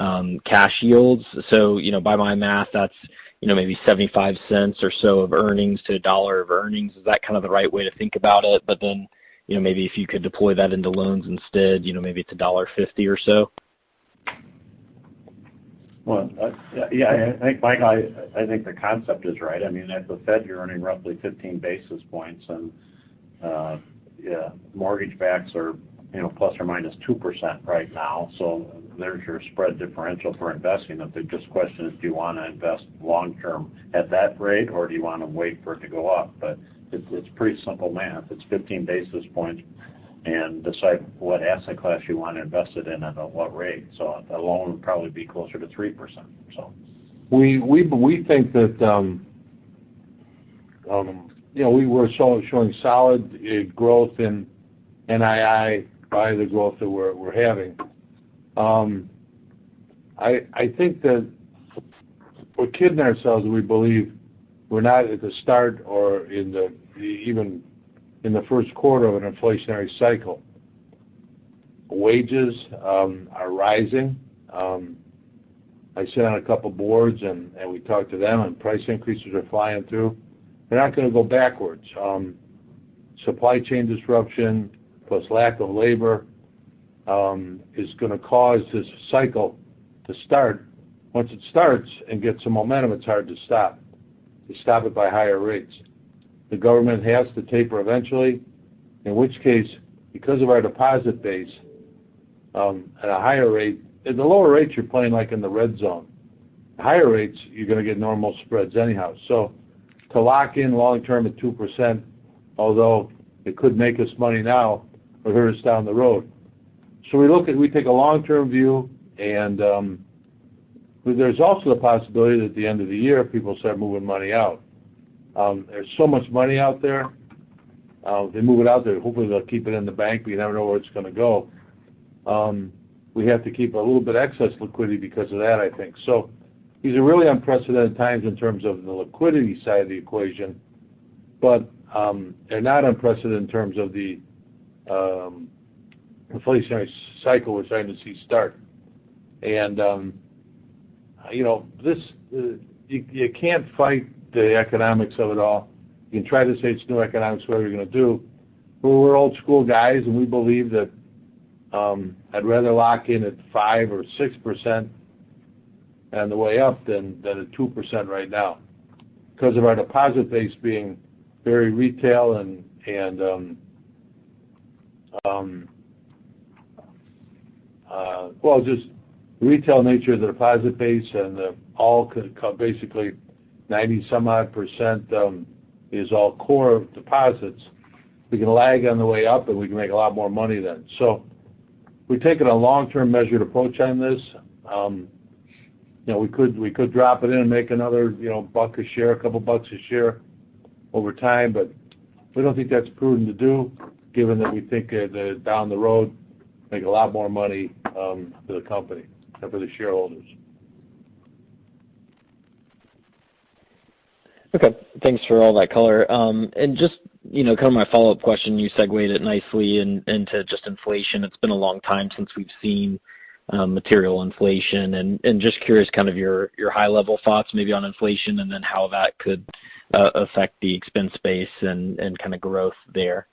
over cash yields. By my math, that's maybe $0.75 or so of earnings to $1 of earnings. Is that kind of the right way to think about it? Maybe if you could deploy that into loans instead, maybe it's $1.50 or so? Yeah. I think, Michael, the concept is right. At the Fed, you're earning roughly 15 basis points, and mortgage backs are plus or minus 2% right now. There's your spread differential for investing it. It just questions do you want to invest long-term at that rate, or do you want to wait for it to go up? It's pretty simple math. It's 15 basis points, decide what asset class you want invested in and at what rate. That loan would probably be closer to 3%. We think that we're showing solid growth in NII by the growth that we're having. I think that we're kidding ourselves if we believe we're not at the start or even in the first quarter of an inflationary cycle. Wages are rising. I sit on a couple of boards, we talk to them, and price increases are flying through. They're not going to go backwards. Supply chain disruption plus lack of labor is going to cause this cycle to start. Once it starts and gets some momentum, it's hard to stop. To stop it by higher rates. The government has to taper eventually, in which case, because of our deposit base at the lower rates, you're playing like in the red zone. Higher rates, you're going to get normal spreads anyhow. To lock in long-term at 2%, although it could make us money now, will hurt us down the road. We take a long-term view, there's also the possibility that at the end of the year, people start moving money out. There's so much money out there. If they move it out there, hopefully they'll keep it in the bank, you never know where it's going to go. We have to keep a little bit excess liquidity because of that, I think. These are really unprecedented times in terms of the liquidity side of the equation. They're not unprecedented in terms of the inflationary cycle we're starting to see start. You can't fight the economics of it all. You can try to say it's new economics, whatever you're going to do. We're old school guys, and we believe that I'd rather lock in at 5% or 6% on the way up than at 2% right now. Because of our deposit base being very retail, just the retail nature of the deposit base and all, basically, 90-some odd % is all core deposits. We can lag on the way up, and we can make a lot more money then. We've taken a long-term measured approach on this. We could drop it in and make another buck a share, a couple of bucks a share over time, but we don't think that's prudent to do, given that we think that down the road, make a lot more money for the company and for the shareholders. Okay. Thanks for all that color. Just kind of my follow-up question, you segued it nicely into just inflation. It's been a long time since we've seen material inflation. Just curious kind of your high-level thoughts maybe on inflation, and then how that could affect the expense base and kind of growth there.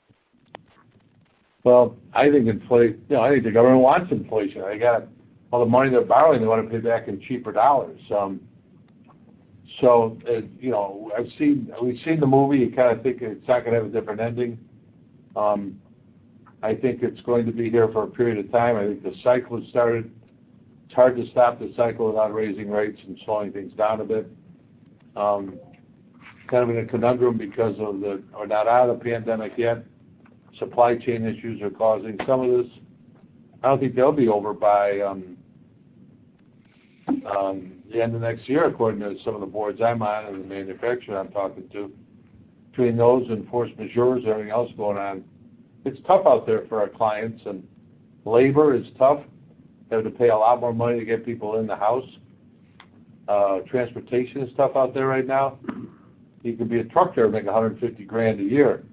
I think the government wants inflation. All the money they're borrowing, they want to pay back in cheaper dollars. We've seen the movie. You kind of think it's not going to have a different ending. I think it's going to be here for a period of time. I think the cycle has started. It's hard to stop the cycle without raising rates and slowing things down a bit. Kind of in a conundrum because we're not out of the pandemic yet. Supply chain issues are causing some of this. I don't think they'll be over by the end of next year, according to some of the boards I'm on and the manufacturer I'm talking to. Between those and force majeure, everything else going on, it's tough out there for our clients, and labor is tough. They have to pay a lot more money to get people in the house. Transportation is tough out there right now. You can be a trucker and make $150,000 a year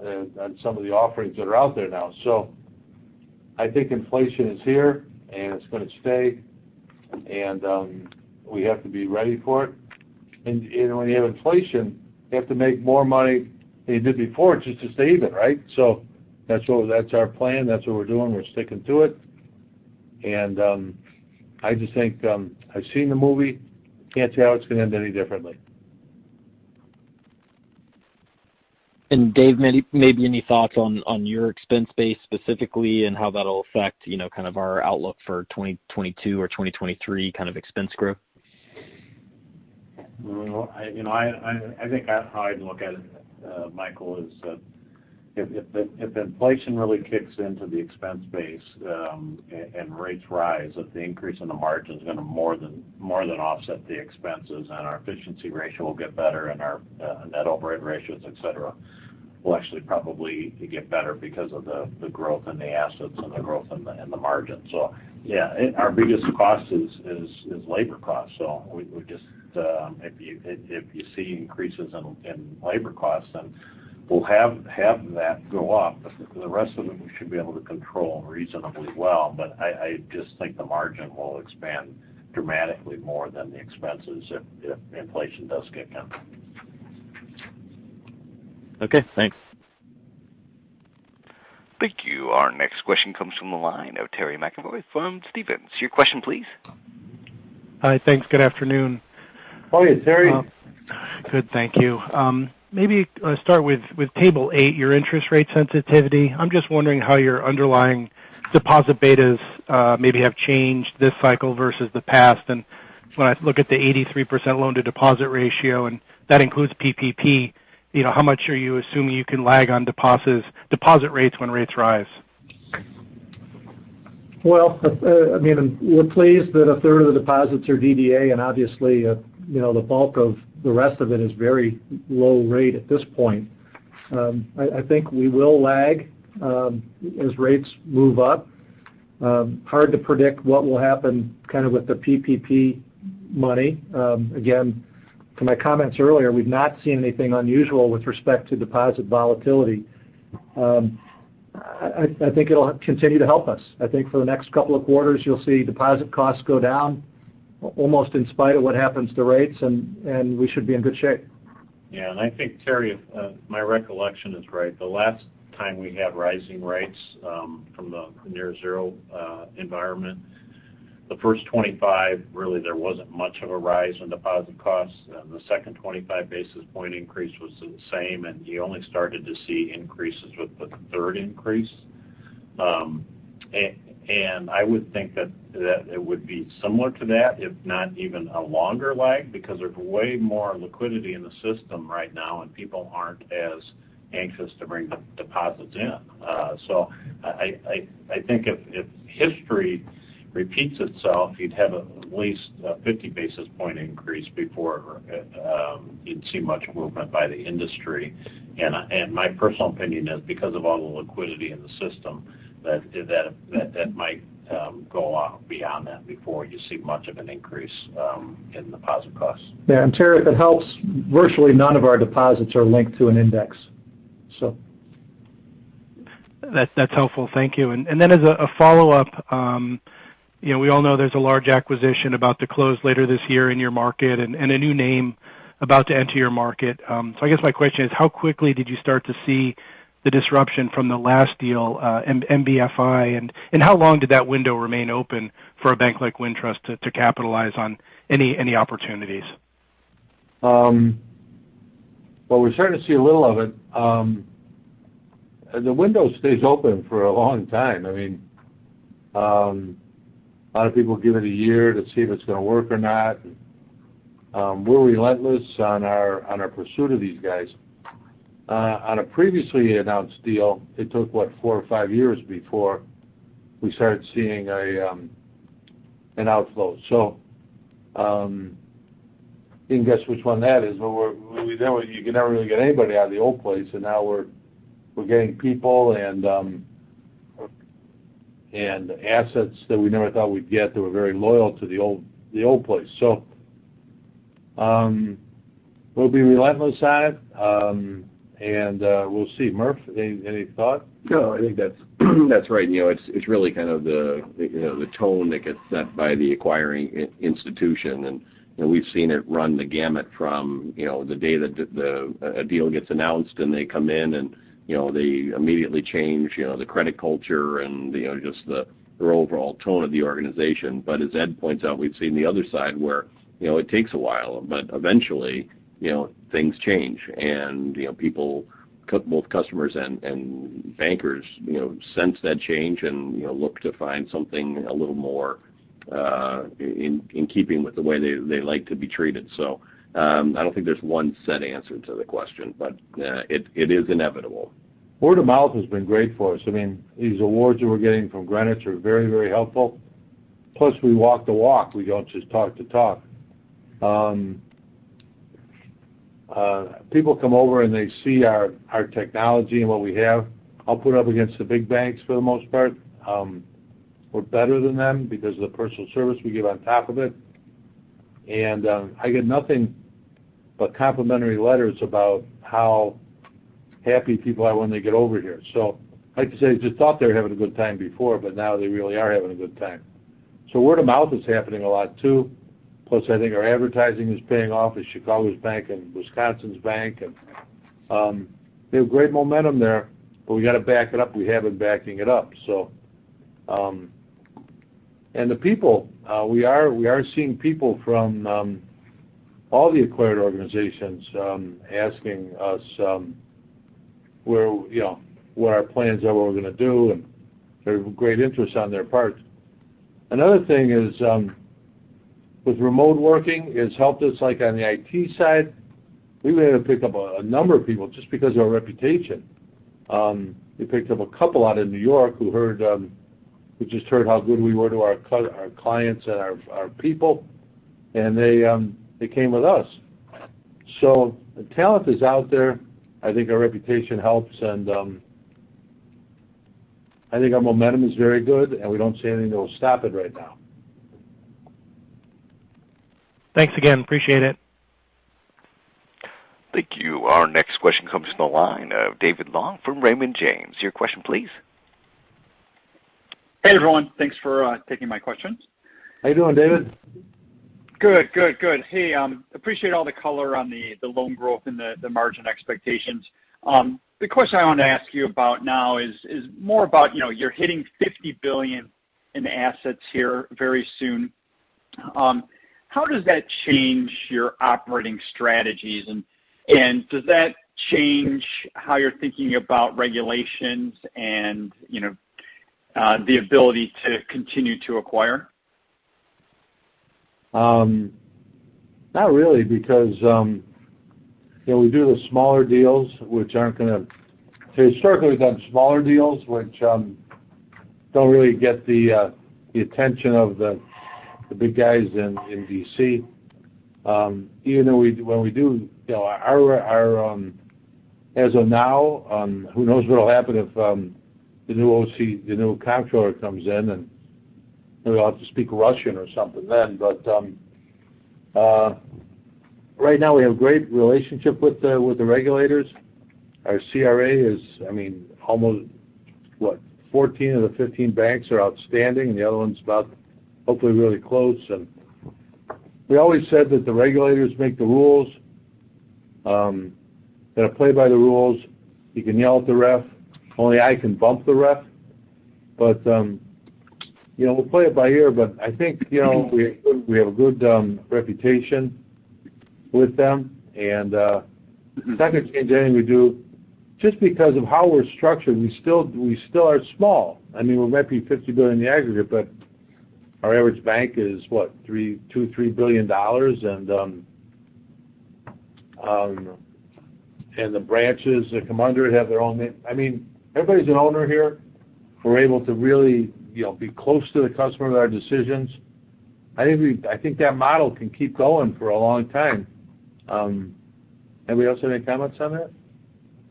on some of the offerings that are out there now. I think inflation is here, and it's going to stay, and we have to be ready for it. When you have inflation, you have to make more money than you did before just to stay even, right? That's our plan. That's what we're doing. We're sticking to it. I just think I've seen the movie. Can't see how it's going to end any differently. Dave, maybe any thoughts on your expense base specifically and how that'll affect kind of our outlook for 2022 or 2023 kind of expense growth? I think how I'd look at it, Michael, is if inflation really kicks into the expense base and rates rise, the increase in the margin is going to more than offset the expenses, and our efficiency ratio will get better, and our net operating ratios, et cetera, will actually probably get better because of the growth in the assets and the growth in the margin. Yeah, our biggest cost is labor cost. If you see increases in labor costs, we'll have that go up. The rest of it, we should be able to control reasonably well. I just think the margin will expand dramatically more than the expenses if inflation does kick in. Okay, thanks. Thank you. Our next question comes from the line of Terry McEvoy from Stephens. Your question please. Hi. Thanks. Good afternoon. How are you, Terry? Good, thank you. Maybe start with table eight, your interest rate sensitivity. I'm just wondering how your underlying deposit betas maybe have changed this cycle versus the past. When I look at the 83% loan to deposit ratio, and that includes PPP, how much are you assuming you can lag on deposit rates when rates rise? Well, we're pleased that a third of the deposits are DDA, and obviously, the bulk of the rest of it is very low rate at this point. I think it'll lag as rates move up. Hard to predict what will happen kind of with the PPP money. Again, to my comments earlier, we've not seen anything unusual with respect to deposit volatility. I think it'll continue to help us. I think for the next couple of quarters, you'll see deposit costs go down almost in spite of what happens to rates, and we should be in good shape. Yeah. I think, Terry, if my recollection is right, the last time we had rising rates, from the near zero environment, the first 25, really there wasn't much of a rise in deposit costs. The second 25 basis point increase was the same, you only started to see increases with the third increase. I would think that it would be similar to that, if not even a longer lag, because there's way more liquidity in the system right now, people aren't as anxious to bring deposits in. I think if history repeats itself, you'd have at least a 50 basis point increase before you'd see much movement by the industry. My personal opinion is because of all the liquidity in the system, that might go beyond that before you see much of an increase in deposit costs. Yeah. Terry, if it helps, virtually none of our deposits are linked to an index. That's helpful. Thank you. As a follow-up, we all know there's a large acquisition about to close later this year in your market and a new name about to enter your market. I guess my question is, how quickly did you start to see the disruption from the last deal, MBFI, and how long did that window remain open for a bank like Wintrust to capitalize on any opportunities? Well, we're starting to see a little of it. The window stays open for a long time. A lot of people give it a year to see if it's going to work or not. We're relentless on our pursuit of these guys. On a previously announced deal, it took, what, four or five years before we started seeing an outflow. You can guess which one that is. You could never really get anybody out of the old place, now we're getting people and assets that we never thought we'd get that were very loyal to the old place. We'll be relentless at it, and we'll see. Murph, any thought? No, I think that's right. It's really kind of the tone that gets set by the acquiring institution, and we've seen it run the gamut from the day that a deal gets announced and they come in and they immediately change the credit culture and just the overall tone of the organization. As Ed points out, we've seen the other side where it takes a while, but eventually things change, and people, both customers and bankers, sense that change and look to find something a little more in keeping with the way they like to be treated. I don't think there's one set answer to the question, but it is inevitable. Word of mouth has been great for us. These awards that we're getting from Greenwich are very helpful. We walk the walk. We don't just talk the talk. People come over and they see our technology and what we have. I'll put up against the big banks for the most part. We're better than them because of the personal service we give on top of it. I get nothing but complimentary letters about how happy people are when they get over here. I like to say, they just thought they were having a good time before, but now they really are having a good time. Word of mouth is happening a lot too. I think our advertising is paying off as Chicago's Bank and Wisconsin's Bank, and we have great momentum there, but we got to back it up. We have been backing it up. We are seeing people from all the acquired organizations asking us what our plans are, what we're going to do, and there's great interest on their part. Another thing is, with remote working, it's helped us on the IT side. We've been able to pick up a number of people just because of our reputation. We picked up a couple out in N.Y. who just heard how good we were to our clients and our people, and they came with us. The talent is out there. I think our reputation helps, and I think our momentum is very good, and we don't see anything that will stop it right now. Thanks again. Appreciate it. Thank you. Our next question comes from the line of David Long from Raymond James. Your question please. Hey, everyone. Thanks for taking my questions. How you doing, David? Good. Hey, appreciate all the color on the loan growth and the margin expectations. The question I wanted to ask you about now is more about, you're hitting $50 billion in assets here very soon. How does that change your operating strategies? Does that change how you're thinking about regulations and the ability to continue to acquire? Not really, because Historically, we've done smaller deals which don't really get the attention of the big guys in D.C. Even though when we do, as of now, who knows what'll happen if the new comptroller comes in, and we all have to speak Russian or something. Right now we have great relationship with the regulators. Our CRA is, almost, what? 14 of the 15 banks are outstanding, and the other one's about, hopefully, really close. We always said that the regulators make the rules. We've got to play by the rules. You can yell at the ref, only I can bump the ref. We'll play it by ear, but I think, we have a good reputation with them. The second thing, Dan, we do Just because of how we're structured, we still are small. We might be $50 billion in the aggregate, but our average bank is what? $2 billion or $3 billion. The branches that come under it have their own. Everybody's an owner here. We're able to really be close to the customer with our decisions. I think that model can keep going for a long time. Anybody else have any comments on that?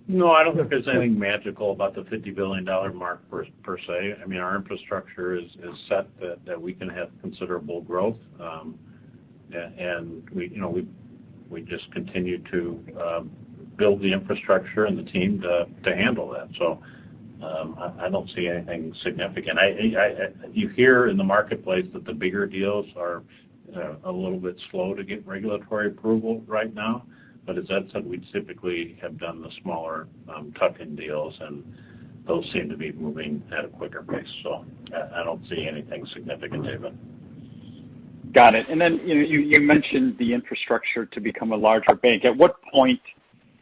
No, I don't think there's anything magical about the $50 billion mark per se. Our infrastructure is set that we can have considerable growth. We just continue to build the infrastructure and the team to handle that. I don't see anything significant. You hear in the marketplace that the bigger deals are a little bit slow to get regulatory approval right now. As Ed said, we'd typically have done the smaller tuck-in deals, and those seem to be moving at a quicker pace. I don't see anything significant, David. I got it. You mentioned the infrastructure to become a larger bank. At what point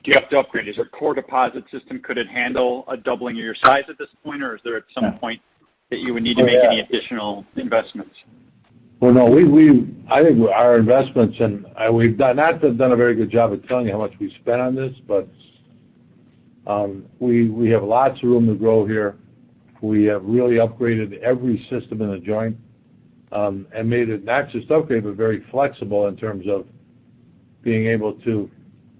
do you have to upgrade? Is there a core deposit system? Could it handle a doubling of your size at this point? Is there at some point that you would need to make any additional investments? Well, no. I think our investments, we've not done a very good job of telling you how much we've spent on this, but we have lots of room to grow here. We have really upgraded every system in the joint. Made it not just okay, but very flexible in terms of being able to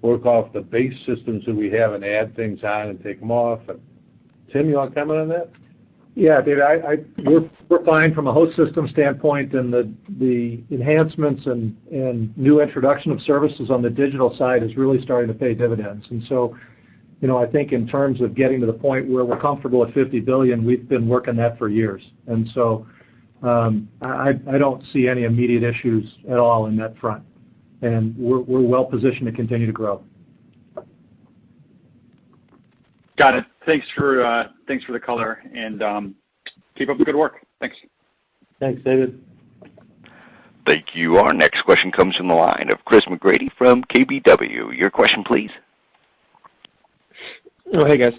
work off the base systems that we have and add things on and take them off. Tim, you want to comment on that? Yeah. David, we're fine from a host system standpoint, and the enhancements and new introduction of services on the digital side is really starting to pay dividends. I think in terms of getting to the point where we're comfortable at $50 billion, we've been working that for years. I don't see any immediate issues at all on that front. We're well positioned to continue to grow. Got it. Thanks for the color, and keep up the good work. Thanks. Thanks, David. Thank you. Our next question comes from the line of Christopher McGratty from KBW. Your question, please? Hey, guys.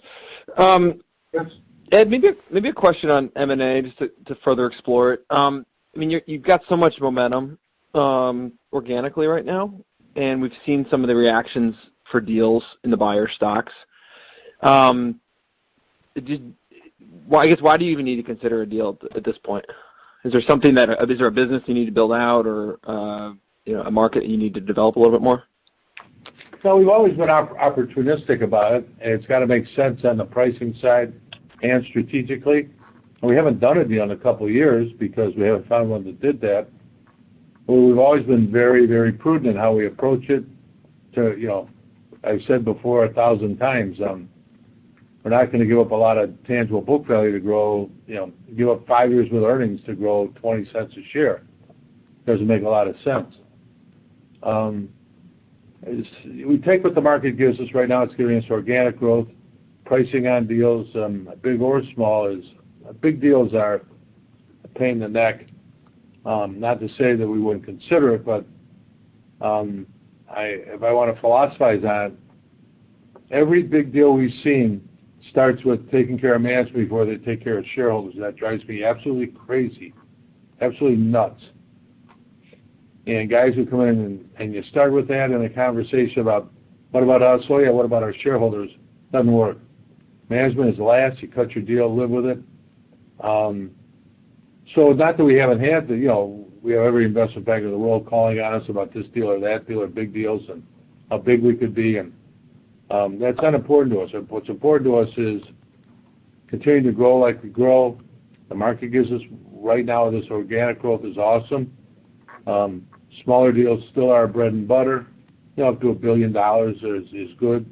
Yes. Ed, maybe a question on M&A just to further explore it. You've got so much momentum organically right now, and we've seen some of the reactions for deals in the buyer stocks. I guess, why do you even need to consider a deal at this point? Is there a business you need to build out or a market you need to develop a little bit more? We've always been opportunistic about it, and it's got to make sense on the pricing side and strategically. We haven't done it in a couple of years because we haven't found one that did that. We've always been very prudent in how we approach it. I've said before 1,000 times, we're not going to give up a lot of tangible book value to grow. Give up 5 years with earnings to grow $0.20 a share. Doesn't make a lot of sense. We take what the market gives us. Right now, it's giving us organic growth. Pricing on deals, big or small. Big deals are a pain in the neck. Not to say that we wouldn't consider it, if I want to philosophize on it, every big deal we've seen starts with taking care of management before they take care of shareholders, that drives me absolutely crazy. Absolutely nuts. Guys who come in and you start with that in a conversation about, "What about us?" "Oh, yeah, what about our shareholders?" Doesn't work. Management is last. You cut your deal, live with it. We have every investment banker in the world calling on us about this deal or that deal or big deals and how big we could be, that's not important to us. What's important to us is continuing to grow like we grow. The market gives us right now, this organic growth is awesome. Smaller deals still are our bread and butter. Up to $1 billion is good.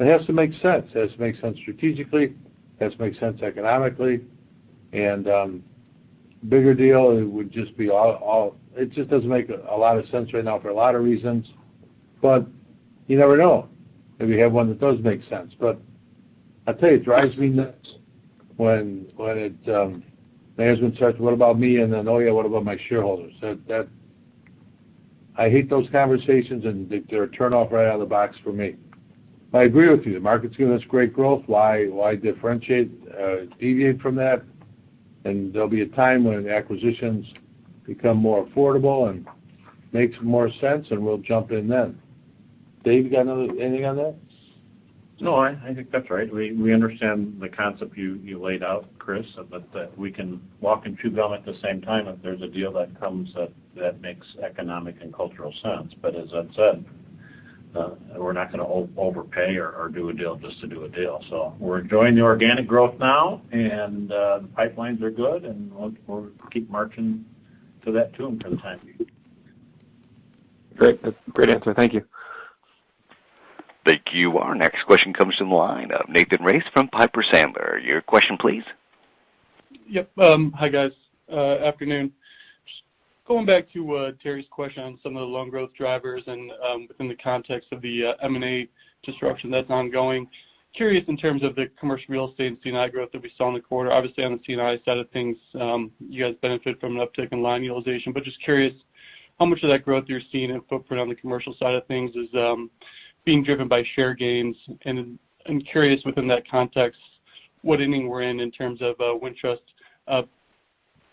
It has to make sense. It has to make sense strategically, it has to make sense economically, bigger deal, it just doesn't make a lot of sense right now for a lot of reasons. You never know. Maybe you have one that does make sense. I tell you, it drives me nuts when management says, "What about me?" "Oh, yeah, what about my shareholders?" I hate those conversations, they're a turn-off right out of the box for me. I agree with you. The market's giving us great growth. Why deviate from that? There'll be a time when acquisitions become more affordable and makes more sense, and we'll jump in then. Dave, you got anything on that? No, I think that's right. We understand the concept you laid out, Chris, that we can walk and chew gum at the same time if there's a deal that comes that makes economic and cultural sense. As I've said, we're not going to overpay or do a deal just to do a deal. We're enjoying the organic growth now, the pipelines are good, we'll keep marching to that tune for the time being. Great. That's a great answer. Thank you. Thank you. Our next question comes from the line of Nathan Race from Piper Sandler. Your question, please. Yep. Hi, guys. Afternoon. Just going back to Terry's question on some of the loan growth drivers and within the context of the M&A disruption that's ongoing. Curious in terms of the commercial real estate and C&I growth that we saw in the quarter. Obviously, on the C&I side of things, you guys benefit from an uptick in line utilization, but just curious how much of that growth you're seeing in footprint on the commercial side of things is being driven by share gains. I'm curious within that context, what inning we're in terms of Wintrust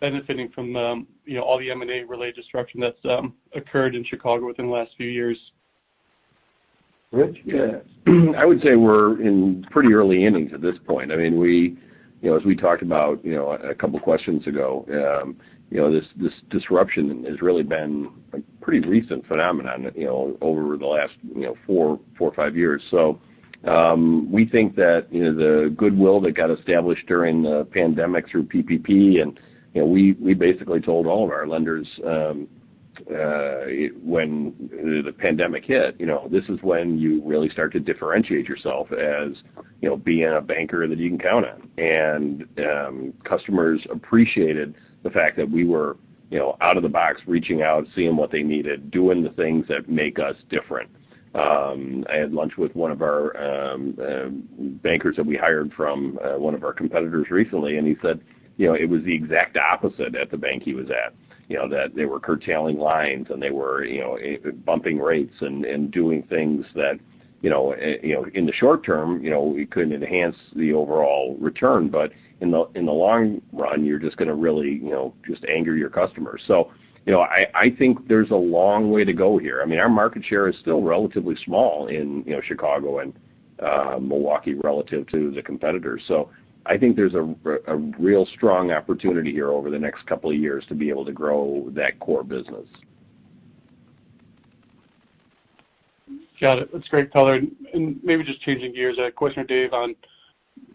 benefiting from all the M&A-related disruption that's occurred in Chicago within the last few years. Rich? Yeah. I would say we're in pretty early innings at this point. As we talked about a couple of questions ago, this disruption has really been a pretty recent phenomenon over the last four or five years. We think that the goodwill that got established during the pandemic through PPP. We basically told all of our lenders when the pandemic hit, this is when you really start to differentiate yourself as being a banker that you can count on. Customers appreciated the fact that we were out of the box, reaching out, seeing what they needed, doing the things that make us different. I had lunch with one of our bankers that we hired from one of our competitors recently, and he said it was the exact opposite at the bank he was at. That they were curtailing lines. They were bumping rates and doing things that in the short term, we couldn't enhance the overall return. In the long run, you're just going to really just anger your customers. I think there's a long way to go here. Our market share is still relatively small in Chicago and Milwaukee relative to the competitors. I think there's a real strong opportunity here over the next couple of years to be able to grow that core business. Got it. That's a great color. Maybe just changing gears, I had a question for Dave on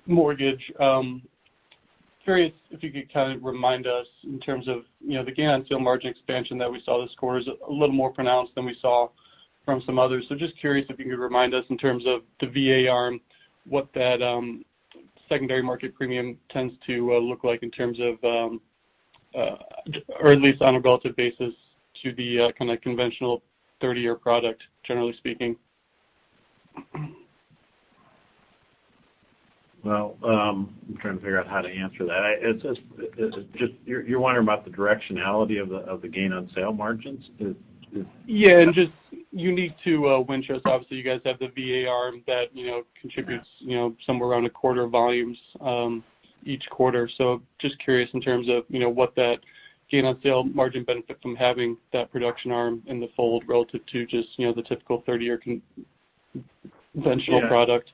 mortgage. Curious if you could kind of remind us in terms of, again, sale margin expansion that we saw this quarter is a little more pronounced than we saw from some others. Just curious if you could remind us in terms of the VAR and what that secondary market premium tends to look like in terms of, or at least on a relative basis to the kind of conventional 30-year product, generally speaking. I'm trying to figure out how to answer that. You're wondering about the directionality of the gain on sale margins? Yeah, just unique to Wintrust. Obviously, you guys have the VAR that contributes somewhere around a quarter volumes each quarter. Just curious in terms of what that gain on sale margin benefit from having that production arm in the fold relative to just the typical 30-year conventional product.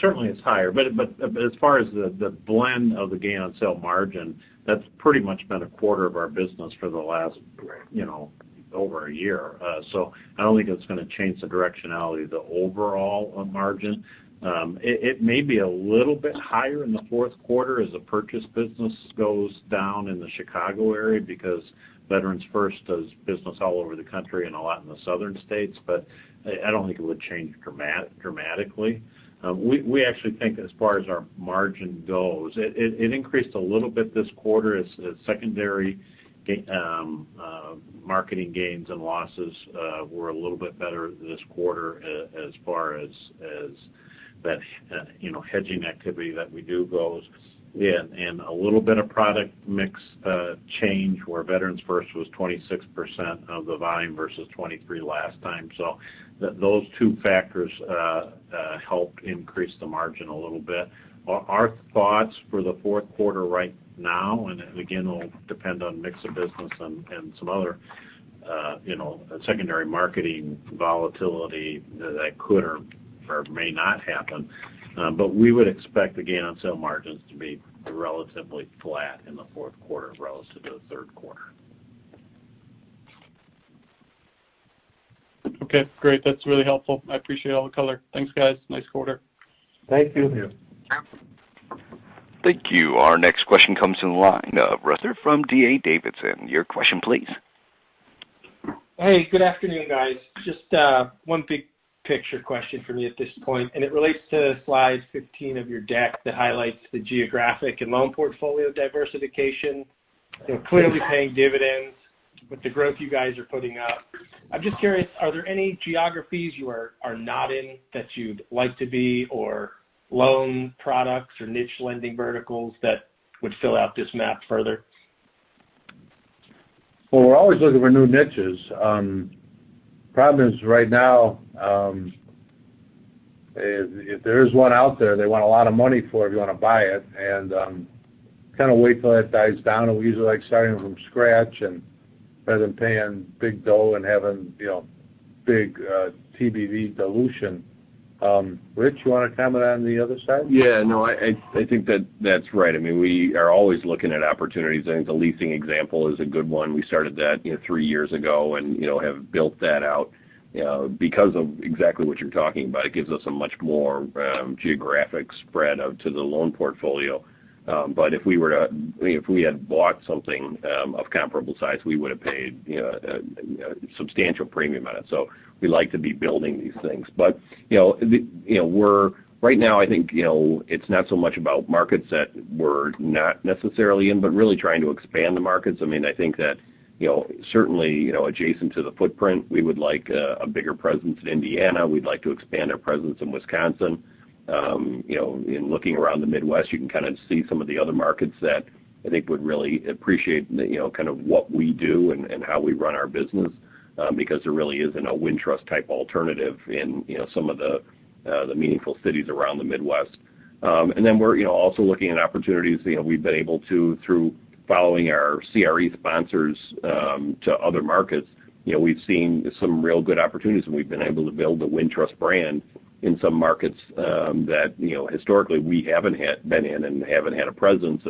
Certainly it's higher. As far as the blend of the gain on sale margin, that's pretty much been a quarter of our business for the last over a year. I don't think it's going to change the directionality of the overall margin. It may be a little bit higher in the fourth quarter as the purchase business goes down in the Chicago area because Veterans First does business all over the country and a lot in the southern states. I don't think it would change dramatically. We actually think as far as our margin goes, it increased a little bit this quarter as secondary marketing gains and losses were a little bit better this quarter as far as that hedging activity that we do goes in. A little bit of product mix change where Veterans First was 26% of the volume versus 23% last time. Those two factors helped increase the margin a little bit. Our thoughts for the fourth quarter right now, and again, it'll depend on mix of business and some other secondary marketing volatility that could or may not happen. We would expect the gain on sale margins to be relatively flat in the fourth quarter relative to the third quarter. Okay, great. That's really helpful. I appreciate all the color. Thanks, guys. Nice quarter. Thank you. Thank you. Thank you. Our next question comes in the line of Jeffrey Rulis from D.A. Davidson. Your question, please. Hey, good afternoon, guys. Just one big picture question for me at this point, and it relates to slide 15 of your deck that highlights the geographic and loan portfolio diversification. Clearly paying dividends with the growth you guys are putting up. I'm just curious, are there any geographies you are not in that you'd like to be, or loan products or niche lending verticals that would fill out this map further? Well, we're always looking for new niches. Problem is, right now, if there is one out there, they want a lot of money for it if you want to buy it and kind of wait till that dies down. We usually like starting from scratch and rather than paying big dough and having big TBV dilution. Rich, you want to comment on the other side? Yeah. No, I think that's right. We are always looking at opportunities. I think the leasing example is a good one. We started that three years ago and have built that out because of exactly what you're talking about. It gives us a much more geographic spread to the loan portfolio. If we had bought something of comparable size, we would have paid a substantial premium on it. We like to be building these things. Right now, I think, it's not so much about markets that we're not necessarily in, but really trying to expand the markets. I think that, certainly, adjacent to the footprint, we would like a bigger presence in Indiana. We'd like to expand our presence in Wisconsin. In looking around the Midwest, you can kind of see some of the other markets that I think would really appreciate what we do and how we run our business. There really isn't a Wintrust type alternative in some of the meaningful cities around the Midwest. We're also looking at opportunities. We've been able to, through following our CRE sponsors to other markets, we've seen some real good opportunities, and we've been able to build the Wintrust brand in some markets that historically we haven't been in and haven't had a presence.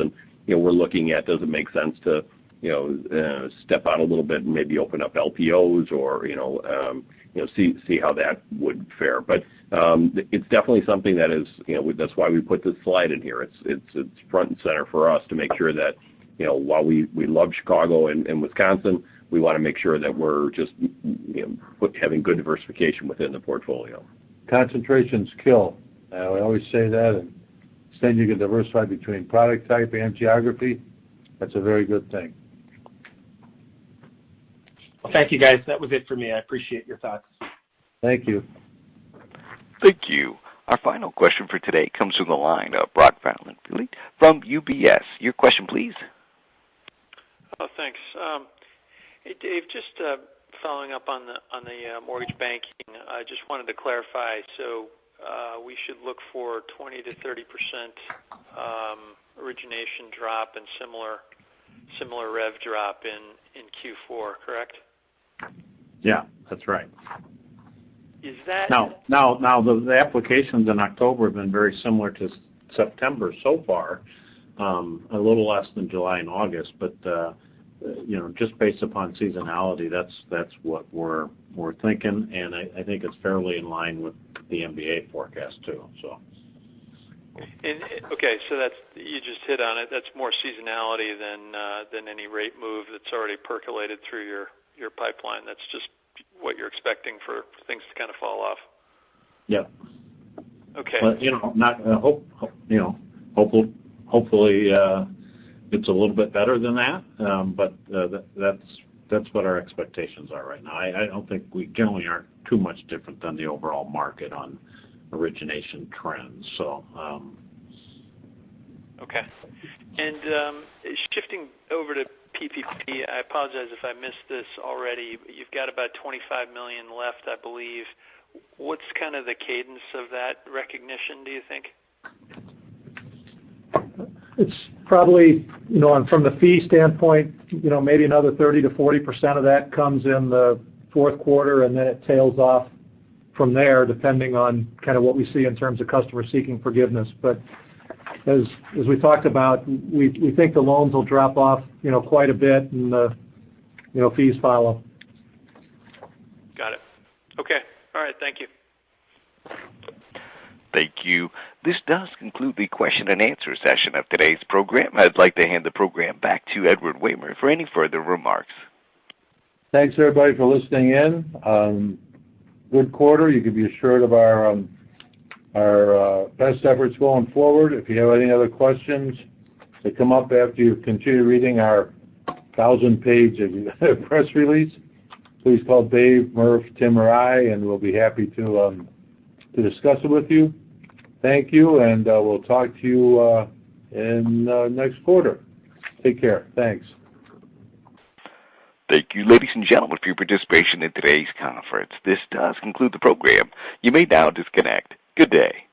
We're looking at, does it make sense to step out a little bit and maybe open up LPOs or see how that would fare. But it's definitely something. That's why we put this slide in here. It's front and center for us to make sure that, while we love Chicago and Wisconsin, we want to make sure that we're just having good diversification within the portfolio. Concentrations kill. I always say that. Extent you can diversify between product type and geography, that's a very good thing. Well, thank you, guys. That was it for me. I appreciate your thoughts. Thank you. Thank you. Our final question for today comes from the line of Brock Vandervliet from UBS. Your question, please. Thanks. Hey, Dave, just following up on the mortgage banking. I just wanted to clarify, we should look for 20%-30% origination drop and similar rev drop in Q4, correct? Yeah, that's right. Is that. The applications in October have been very similar to September so far, a little less than July and August, but just based upon seasonality, that's what we're thinking. I think it's fairly in line with the MBA forecast, too. Okay. You just hit on it. That's more seasonality than any rate move that's already percolated through your pipeline. That's just what you're expecting for things to kind of fall off. Yeah. Okay. Hopefully, it's a little bit better than that. That's what our expectations are right now. I don't think we generally are too much different than the overall market on origination trends. Okay. Shifting over to PPP, I apologize if I missed this already, but you've got about $25 million left, I believe. What's kind of the cadence of that recognition, do you think? It's probably, from the fee standpoint, maybe another 30%-40% of that comes in the fourth quarter, then it tails off from there, depending on kind of what we see in terms of customers seeking forgiveness. As we talked about, we think the loans will drop off quite a bit and the fees follow. Got it. Okay. All right. Thank you. Thank you. This does conclude the question and answer session of today's program. I'd like to hand the program back to Edward Wehmer for any further remarks. Thanks, everybody, for listening in. Good quarter. You can be assured of our best efforts going forward. If you have any other questions that come up after you've continued reading our 1,000-page press release, please call Dave, Murph, Tim, or I, and we'll be happy to discuss it with you. Thank you. We'll talk to you in the next quarter. Take care. Thanks. Thank you, ladies and gentlemen, for your participation in today's conference. This does conclude the program. You may now disconnect. Good day.